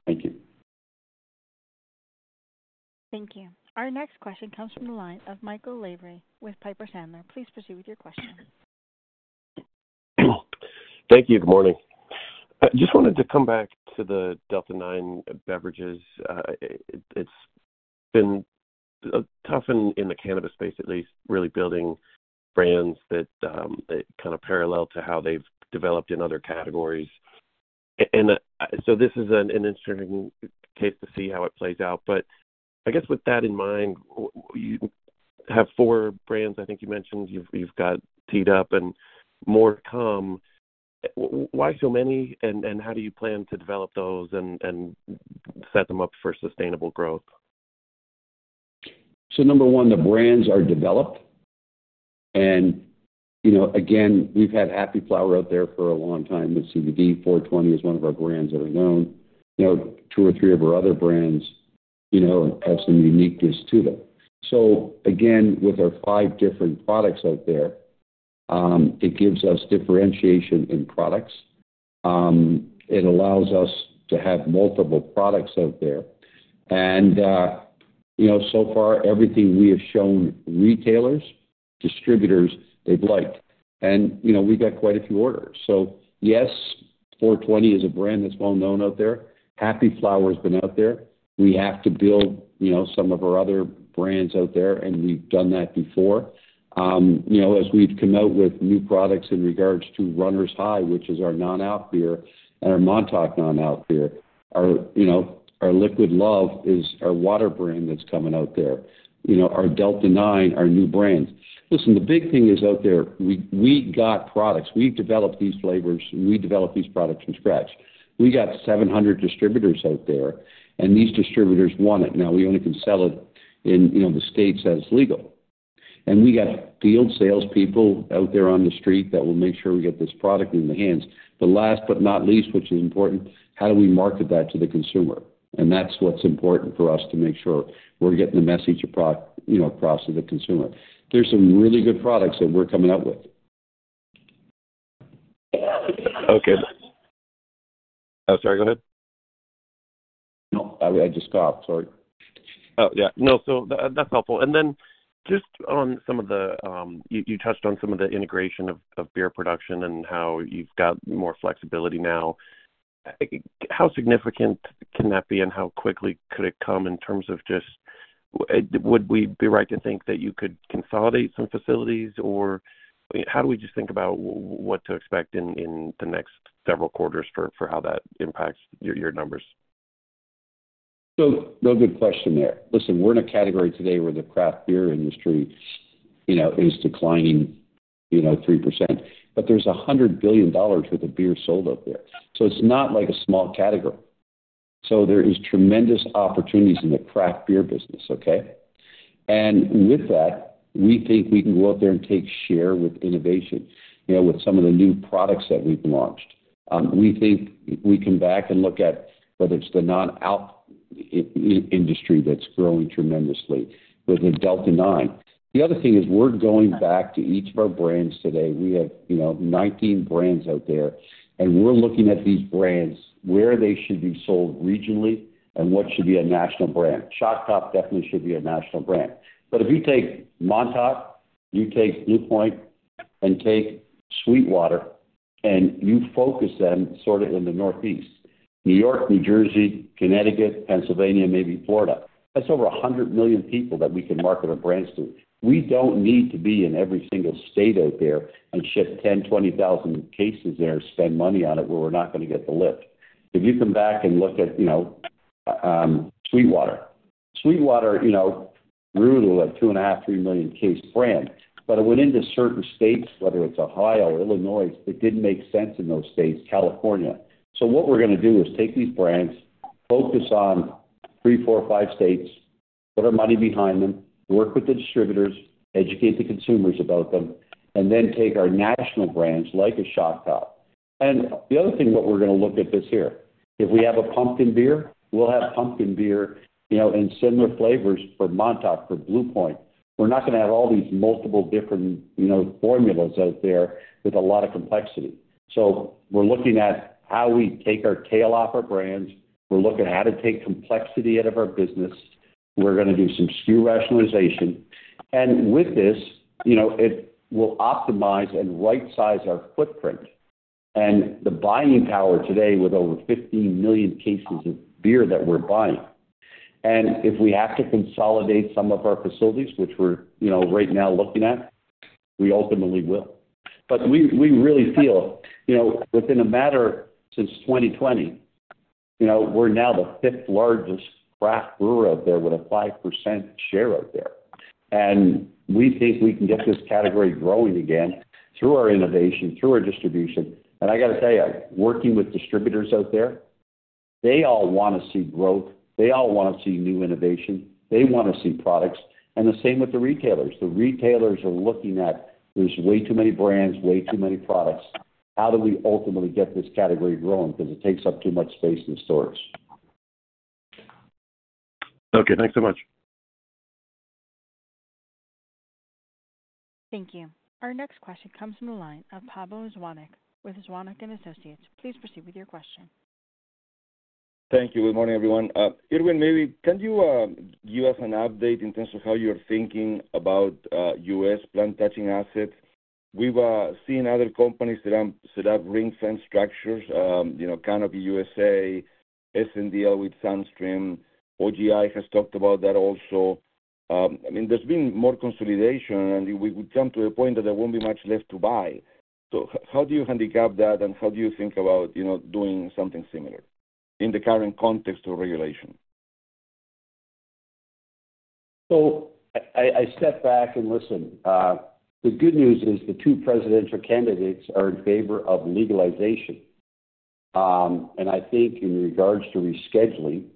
Thank you. Thank you. Our next question comes from the line of Michael Lavery with Piper Sandler. Please proceed with your question. Thank you. Good morning. I just wanted to come back to the Delta-9 beverages. It's been tough in the cannabis space, at least, really building brands that kind of parallel to how they've developed in other categories. And so this is an interesting case to see how it plays out. But I guess with that in mind, why so many, and how do you plan to develop those and set them up for sustainable growth? Number one, the brands are developed. And, you know, again, we've had Happy Flower out there for a long time with CBD. 420 is one of our brands that are known. You know, two or three of our other brands, you know, have some uniqueness to them. So again, with our five different products out there, it gives us differentiation in products. It allows us to have multiple products out there. And, you know, so far, everything we have shown retailers, distributors, they've liked, and, you know, we've got quite a few orders. So yes, 420 is a brand that's well known out there. Happy Flower has been out there. We have to build, you know, some of our other brands out there, and we've done that before. You know, as we've come out with new products in regards to Runner's High, which is our non-alc beer and our Montauk non-alc beer, our, you know, our Liquid Love is our water brand that's coming out there. You know, our Delta-9, our new brands. Listen, the big thing is out there, we got products. We developed these flavors. We developed these products from scratch. We got 700 distributors out there, and these distributors want it. Now, we only can sell it in, you know, the states that it's legal. And we got field salespeople out there on the street that will make sure we get this product in the hands. But last but not least, which is important, how do we market that to the consumer? And that's what's important for us to make sure we're getting the message across, you know, to the consumer. These are some really good products that we're coming out with. Okay. Sorry, go ahead. No, I just stopped. Sorry. Oh, yeah. No, so that, that's helpful. And then just on some of the, you touched on some of the integration of beer production and how you've got more flexibility now. How significant can that be, and how quickly could it come in terms of just, would we be right to think that you could consolidate some facilities, or how do we just think about what to expect in the next several quarters for how that impacts your numbers? So real good question there. Listen, we're in a category today where the craft beer industry, you know, is declining, you know, 3%, but there's $100 billion worth of beer sold out there. So it's not like a small category. So there is tremendous opportunities in the craft beer business, okay? And with that, we think we can go out there and take share with innovation, you know, with some of the new products that we've launched. We think we come back and look at whether it's the non-alc industry that's growing tremendously, with the Delta-9. The other thing is we're going back to each of our brands today. We have, you know, nineteen brands out there, and we're looking at these brands, where they should be sold regionally and what should be a national brand. Shock Top definitely should be a national brand. But if you take Montauk, you take Blue Point and take SweetWater, and you focus them sort of in the Northeast, New York, New Jersey, Connecticut, Pennsylvania, maybe Florida, that's over a hundred million people that we can market our brands to. We don't need to be in every single state out there and ship 10, 20 thousand cases there, spend money on it, where we're not going to get the lift. If you come back and look at, you know, SweetWater. SweetWater, you know, grew to a 2.5 million-3 million case brand, but it went into certain states, whether it's Ohio or Illinois, that didn't make sense in those states, California. So what we're gonna do is take these brands, focus on three, four, five states, put our money behind them, work with the distributors, educate the consumers about them, and then take our national brands, like Shock Top. And the other thing that we're gonna look at this year, if we have a pumpkin beer, we'll have pumpkin beer, you know, and similar flavors for Montauk, for Blue Point. We're not gonna have all these multiple different, you know, formulas out there with a lot of complexity. So we're looking at how we take our tail off our brands. We're looking at how to take complexity out of our business. We're gonna do some SKU rationalization. And with this, you know, it will optimize and right-size our footprint and the buying power today with over 15 million cases of beer that we're buying. If we have to consolidate some of our facilities, which we're, you know, right now looking at, we ultimately will. But we really feel, you know, within a matter, since 2020, you know, we're now the fifth largest craft brewer out there with a 5% share out there. And we think we can get this category growing again through our innovation, through our distribution. And I got to tell you, working with distributors out there, they all want to see growth. They all want to see new innovation. They want to see products, and the same with the retailers. The retailers are looking at there's way too many brands, way too many products. How do we ultimately get this category growing? Because it takes up too much space in the stores. Okay, thanks so much. Thank you. Our next question comes from the line of Pablo Zuanic with Zuanic & Associates. Please proceed with your question. Thank you. Good morning, everyone. Irwin, maybe can you give us an update in terms of how you're thinking about U.S. plant-touching assets? We've seen other companies set up ring-fence structures, you know, Canopy USA, SNDL with SunStream. OGI has talked about that also. I mean, there's been more consolidation, and we come to a point that there won't be much left to buy. So how do you handicap that, and how do you think about, you know, doing something similar in the current context of regulation? So I step back and listen. The good news is the two presidential candidates are in favor of legalization. And I think in regards to rescheduling,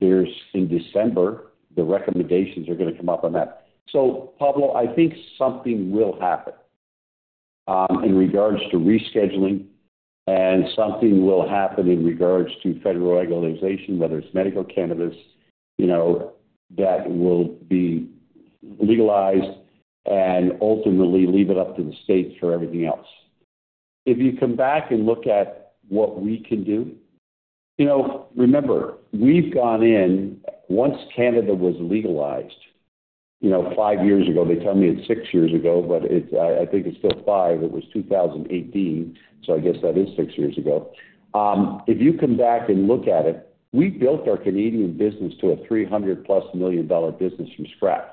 there's in December the recommendations are gonna come up on that. So Pablo, I think something will happen in regards to rescheduling, and something will happen in regards to federal legalization, whether it's medical cannabis, you know, that will be legalized and ultimately leave it up to the states for everything else. If you come back and look at what we can do, you know, remember, we've gone in, once Canada was legalized, you know, five years ago, they tell me it's six years ago, but it's, I think it's still five. It was two thousand eighteen, so I guess that is six years ago. If you come back and look at it, we built our Canadian business to a $300+ million business from scratch.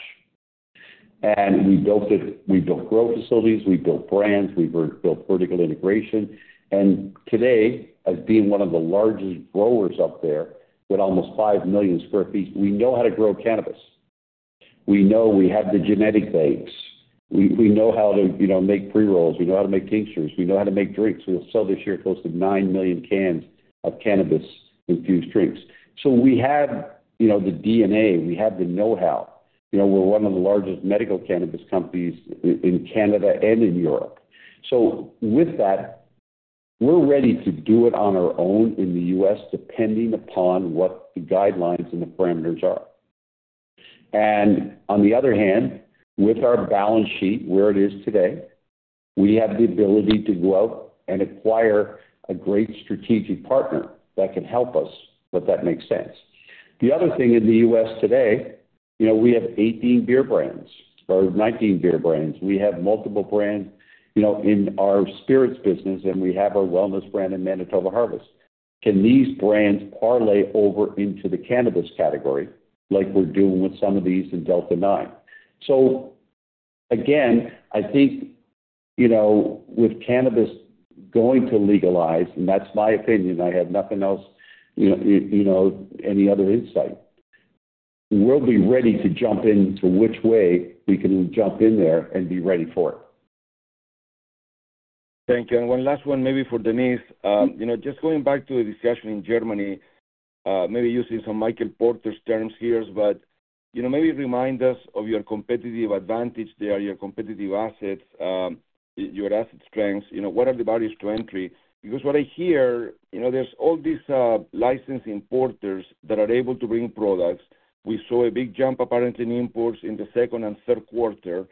And we built it, we built growth facilities, we built brands, we built vertical integration. And today, as being one of the largest growers up there, with almost 5 million sq ft, we know how to grow cannabis. We know we have the genetic banks. We know how to, you know, make pre-rolls. We know how to make tinctures. We know how to make drinks. We'll sell this year close to 9 million cans of cannabis-infused drinks. So we have, you know, the DNA, we have the know-how. You know, we're one of the largest medical cannabis companies in Canada and in Europe. So with that, we're ready to do it on our own in the U.S., depending upon what the guidelines and the parameters are. And on the other hand, with our balance sheet, where it is today, we have the ability to go out and acquire a great strategic partner that can help us, if that makes sense. The other thing in the U.S. today, you know, we have 18 beer brands or 19 beer brands. We have multiple brands, you know, in our spirits business, and we have our wellness brand in Manitoba Harvest. Can these brands parlay over into the cannabis category like we're doing with some of these in Delta-9? So again, I think, you know, with cannabis going to legalize, and that's my opinion, I have nothing else, you know, any other insight. We'll be ready to jump into which way we can jump in there and be ready for it. Thank you. And one last one, maybe for Denise. You know, just going back to the discussion in Germany, maybe using some Michael Porter's terms here, but, you know, maybe remind us of your competitive advantage there, your competitive assets, your asset strengths. You know, what are the barriers to entry? Because what I hear, you know, there's all these licensed importers that are able to bring products. We saw a big jump, apparently, in imports in the second and third quarter.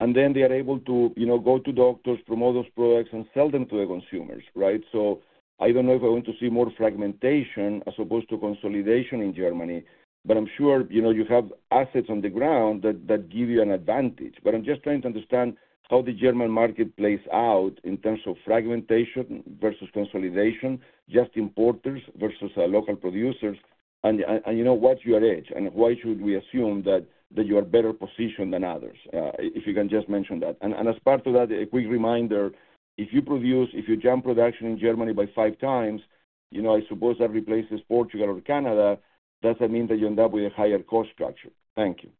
And then they are able to, you know, go to doctors, promote those products, and sell them to the consumers, right? So I don't know if we're going to see more fragmentation as opposed to consolidation in Germany, but I'm sure, you know, you have assets on the ground that give you an advantage. But I'm just trying to understand how the German market plays out in terms of fragmentation versus consolidation, just importers versus local producers. And you know, what's your edge, and why should we assume that you are better positioned than others? If you can just mention that. And as part of that, a quick reminder, if you jump production in Germany by five times, you know, I suppose that replaces Portugal or Canada, does that mean that you end up with a higher cost structure? Thank you.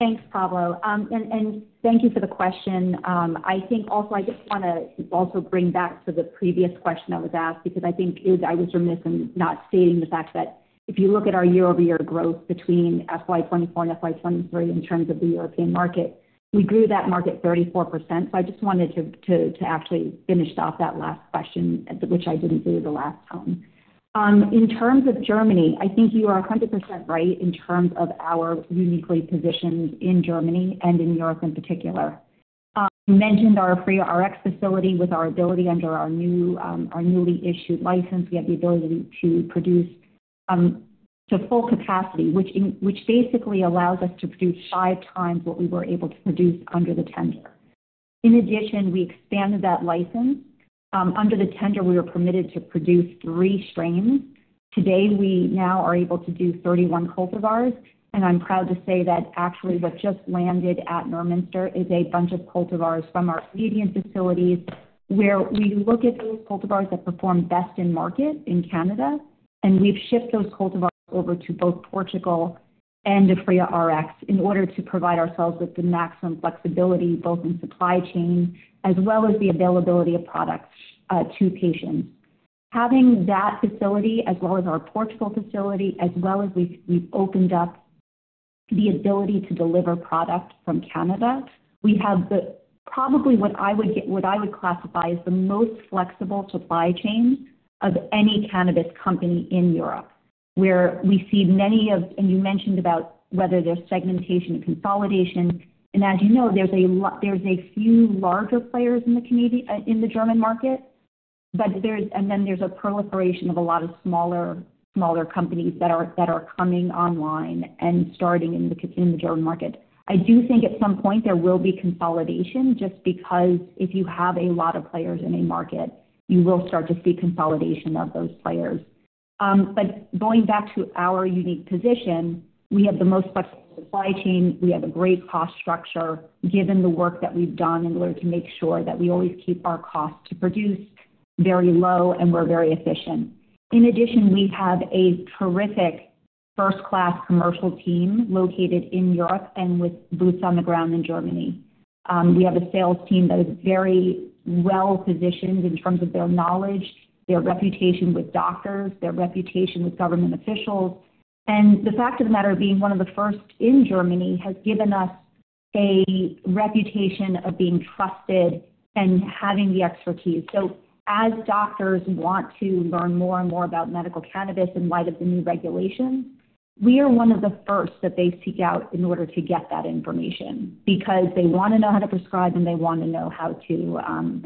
Thanks, Pablo. And thank you for the question. I think also, I just wanna also bring back to the previous question that was asked, because I think I was remiss in not stating the fact that if you look at our year-over-year growth between FY 2024 and FY 2023, in terms of the European market, we grew that market 34%. So I just wanted to actually finish off that last question, which I didn't do the last time. In terms of Germany, I think you are 100% right in terms of we're uniquely positioned in Germany and in New York in particular. You mentioned our Aphria RX facility with our ability under our new, our newly issued license. We have the ability to produce to full capacity, which basically allows us to produce five times what we were able to produce under the tender. In addition, we expanded that license. Under the tender, we were permitted to produce three strains. Today, we now are able to do 31 cultivars, and I'm proud to say that actually what just landed at Neumünster is a bunch of cultivars from our Canadian facilities, where we look at those cultivars that perform best in market in Canada, and we've shipped those cultivars over to both Portugal and to Aphria RX in order to provide ourselves with the maximum flexibility, both in supply chain, as well as the availability of products, to patients. Having that facility, as well as our Portugal facility, as well as we've opened up the ability to deliver product from Canada, we have the most flexible supply chain of any cannabis company in Europe, where we see many of, and you mentioned about whether there's segmentation and consolidation. And as you know, there's a few larger players in the community in the German market, but there's, and then there's a proliferation of a lot of smaller companies that are coming online and starting in the German market. I do think at some point there will be consolidation, just because if you have a lot of players in a market, you will start to see consolidation of those players. But going back to our unique position, we have the most flexible supply chain. We have a great cost structure, given the work that we've done in order to make sure that we always keep our cost to produce very low, and we're very efficient. In addition, we have a terrific first-class commercial team located in Europe and with boots on the ground in Germany. We have a sales team that is very well-positioned in terms of their knowledge, their reputation with doctors, their reputation with government officials. And the fact of the matter, being one of the first in Germany, has given us a reputation of being trusted and having the expertise. As doctors want to learn more and more about medical cannabis in light of the new regulations, we are one of the first that they seek out in order to get that information, because they wanna know how to prescribe, and they wanna know how to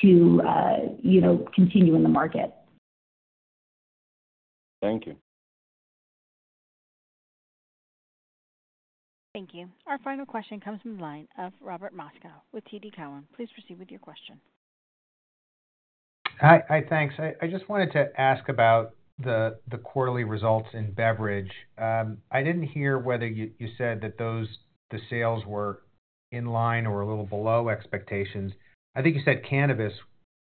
you know continue in the market. Thank you. Thank you. Our final question comes from the line of Robert Moskow with TD Cowen. Please proceed with your question. Hi. Hi, thanks. I just wanted to ask about the quarterly results in beverage. I didn't hear whether you said that those sales were in line or a little below expectations. I think you said cannabis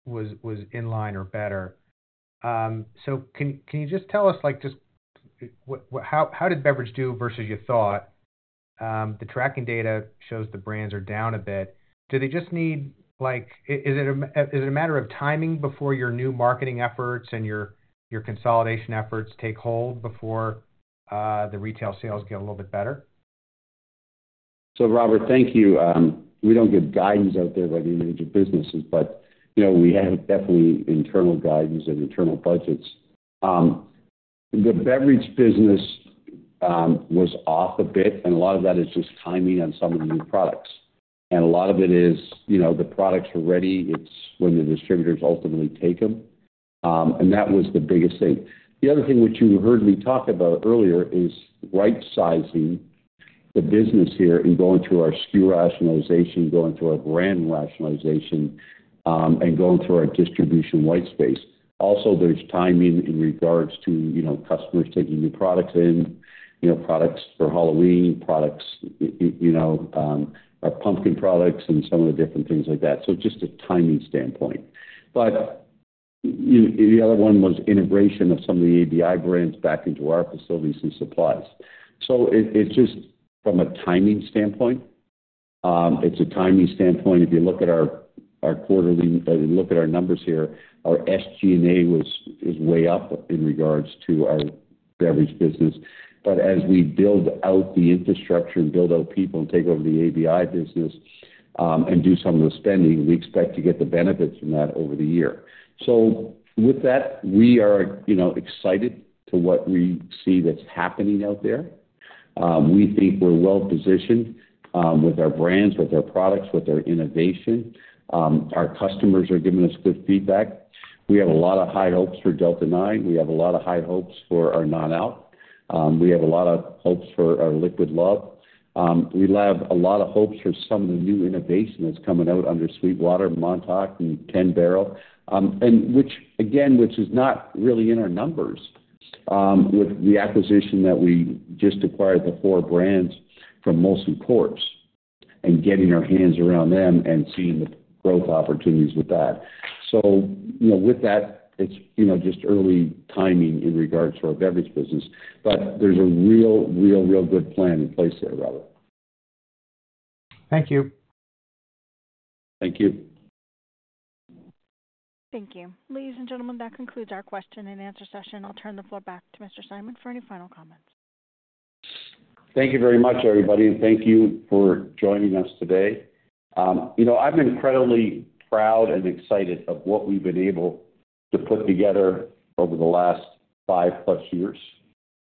was in line or better. So can you just tell us, like, just what, how did beverage do versus you thought? The tracking data shows the brands are down a bit. Do they just need like... Is it a matter of timing before your new marketing efforts and your consolidation efforts take hold before the retail sales get a little bit better? So, Robert, thank you. We don't give guidance out there by the individual businesses, but, you know, we have definitely internal guidance and internal budgets. The beverage business was off a bit, and a lot of that is just timing on some of the new products. And a lot of it is, you know, the products are ready, it's when the distributors ultimately take them. And that was the biggest thing. The other thing which you heard me talk about earlier, is rightsizing the business here and going through our SKU rationalization, going through our brand rationalization, and going through our distribution white space. Also, there's timing in regards to, you know, customers taking new products in, you know, products for Halloween, products, you know, our pumpkin products and some of the different things like that. So just a timing standpoint. But the other one was integration of some of the ABI brands back into our facilities and supplies. So it, it's just from a timing standpoint. If you look at our quarterly numbers here, our SG&A is way up in regards to our beverage business. But as we build out the infrastructure and build out people and take over the ABI business, and do some of the spending, we expect to get the benefits from that over the year. So with that, we are, you know, excited to what we see that's happening out there. We think we're well positioned, with our brands, with our products, with our innovation. Our customers are giving us good feedback. We have a lot of high hopes for Delta-9. We have a lot of high hopes for our non-alc. We have a lot of hopes for our Liquid Love. We have a lot of hopes for some of the new innovation that's coming out under SweetWater, Montauk, and 10 Barrel, and which, again, which is not really in our numbers, with the acquisition that we just acquired, the four brands from Molson Coors, and getting our hands around them and seeing the growth opportunities with that. So, you know, with that, it's, you know, just early timing in regards to our beverage business, but there's a real, real, real good plan in place there, Robert. Thank you. Thank you. Thank you. Ladies and gentlemen, that concludes our question and answer session. I'll turn the floor back to Mr. Simon for any final comments. Thank you very much, everybody, and thank you for joining us today. You know, I'm incredibly proud and excited of what we've been able to put together over the last five plus years.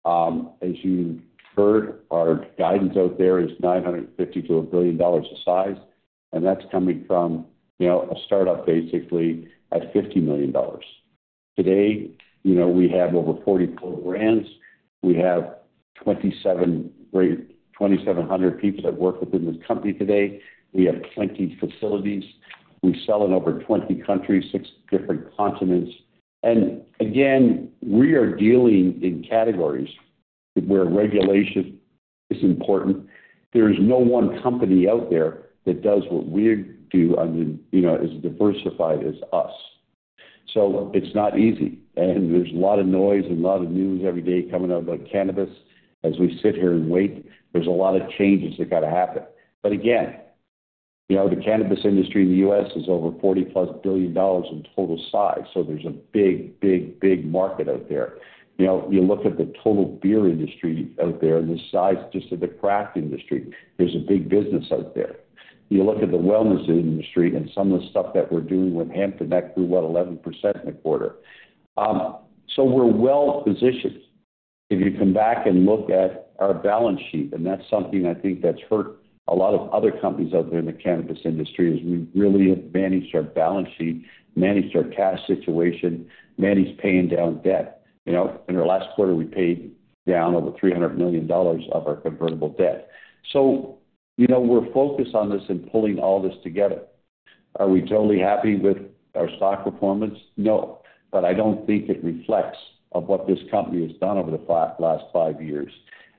As you heard, our guidance out there is $950 million to $1 billion in size, and that's coming from, you know, a start-up basically at $50 million. Today, you know, we have over 40 brands. We have 2,700 people that work within this company today. We have 20 facilities. We sell in over 20 countries, six different continents. Again, we are dealing in categories where regulation is important. There is no one company out there that does what we do on the, you know, as diversified as us. So it's not easy, and there's a lot of noise and a lot of news every day coming out about cannabis. As we sit here and wait, there's a lot of changes that gotta happen. But again, you know, the cannabis industry in the U.S. is over $40+ billion in total size, so there's a big, big, big market out there. You know, you look at the total beer industry out there, the size, just of the craft industry, there's a big business out there. You look at the wellness industry and some of the stuff that we're doing with hemp, that grew, what, 11% in the quarter. So we're well-positioned. If you come back and look at our balance sheet, and that's something I think that's hurt a lot of other companies out there in the cannabis industry, is we really have managed our balance sheet, managed our cash situation, managed paying down debt. You know, in the last quarter, we paid down over $300 million of our convertible debt. So you know, we're focused on this and pulling all this together. Are we totally happy with our stock performance? No, but I don't think it reflects of what this company has done over the last five years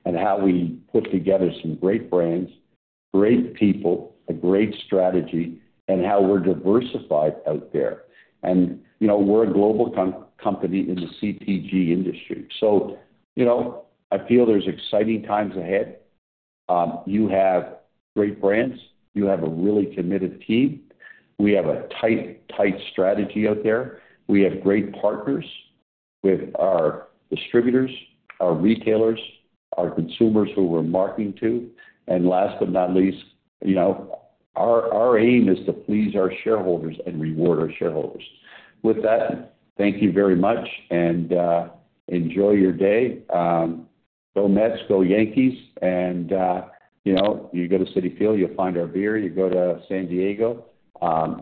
and how we put together some great brands, great people, a great strategy, and how we're diversified out there. And you know, we're a global company in the CPG industry, so you know, I feel there's exciting times ahead. You have great brands. You have a really committed team. We have a tight, tight strategy out there. We have great partners with our distributors, our retailers, our consumers who we're marketing to. And last but not least, you know, our aim is to please our shareholders and reward our shareholders. With that, thank you very much, and enjoy your day. Go Mets, go Yankees, and you know, you go to Citi Field, you'll find our beer. You go to San Diego,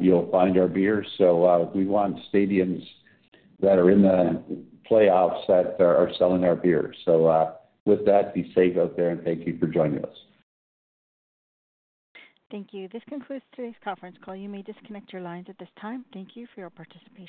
you'll find our beer. So, we want stadiums that are in the playoffs that are selling our beer. So, with that, be safe out there, and thank you for joining us. Thank you. This concludes today's conference call. You may disconnect your lines at this time. Thank you for your participation.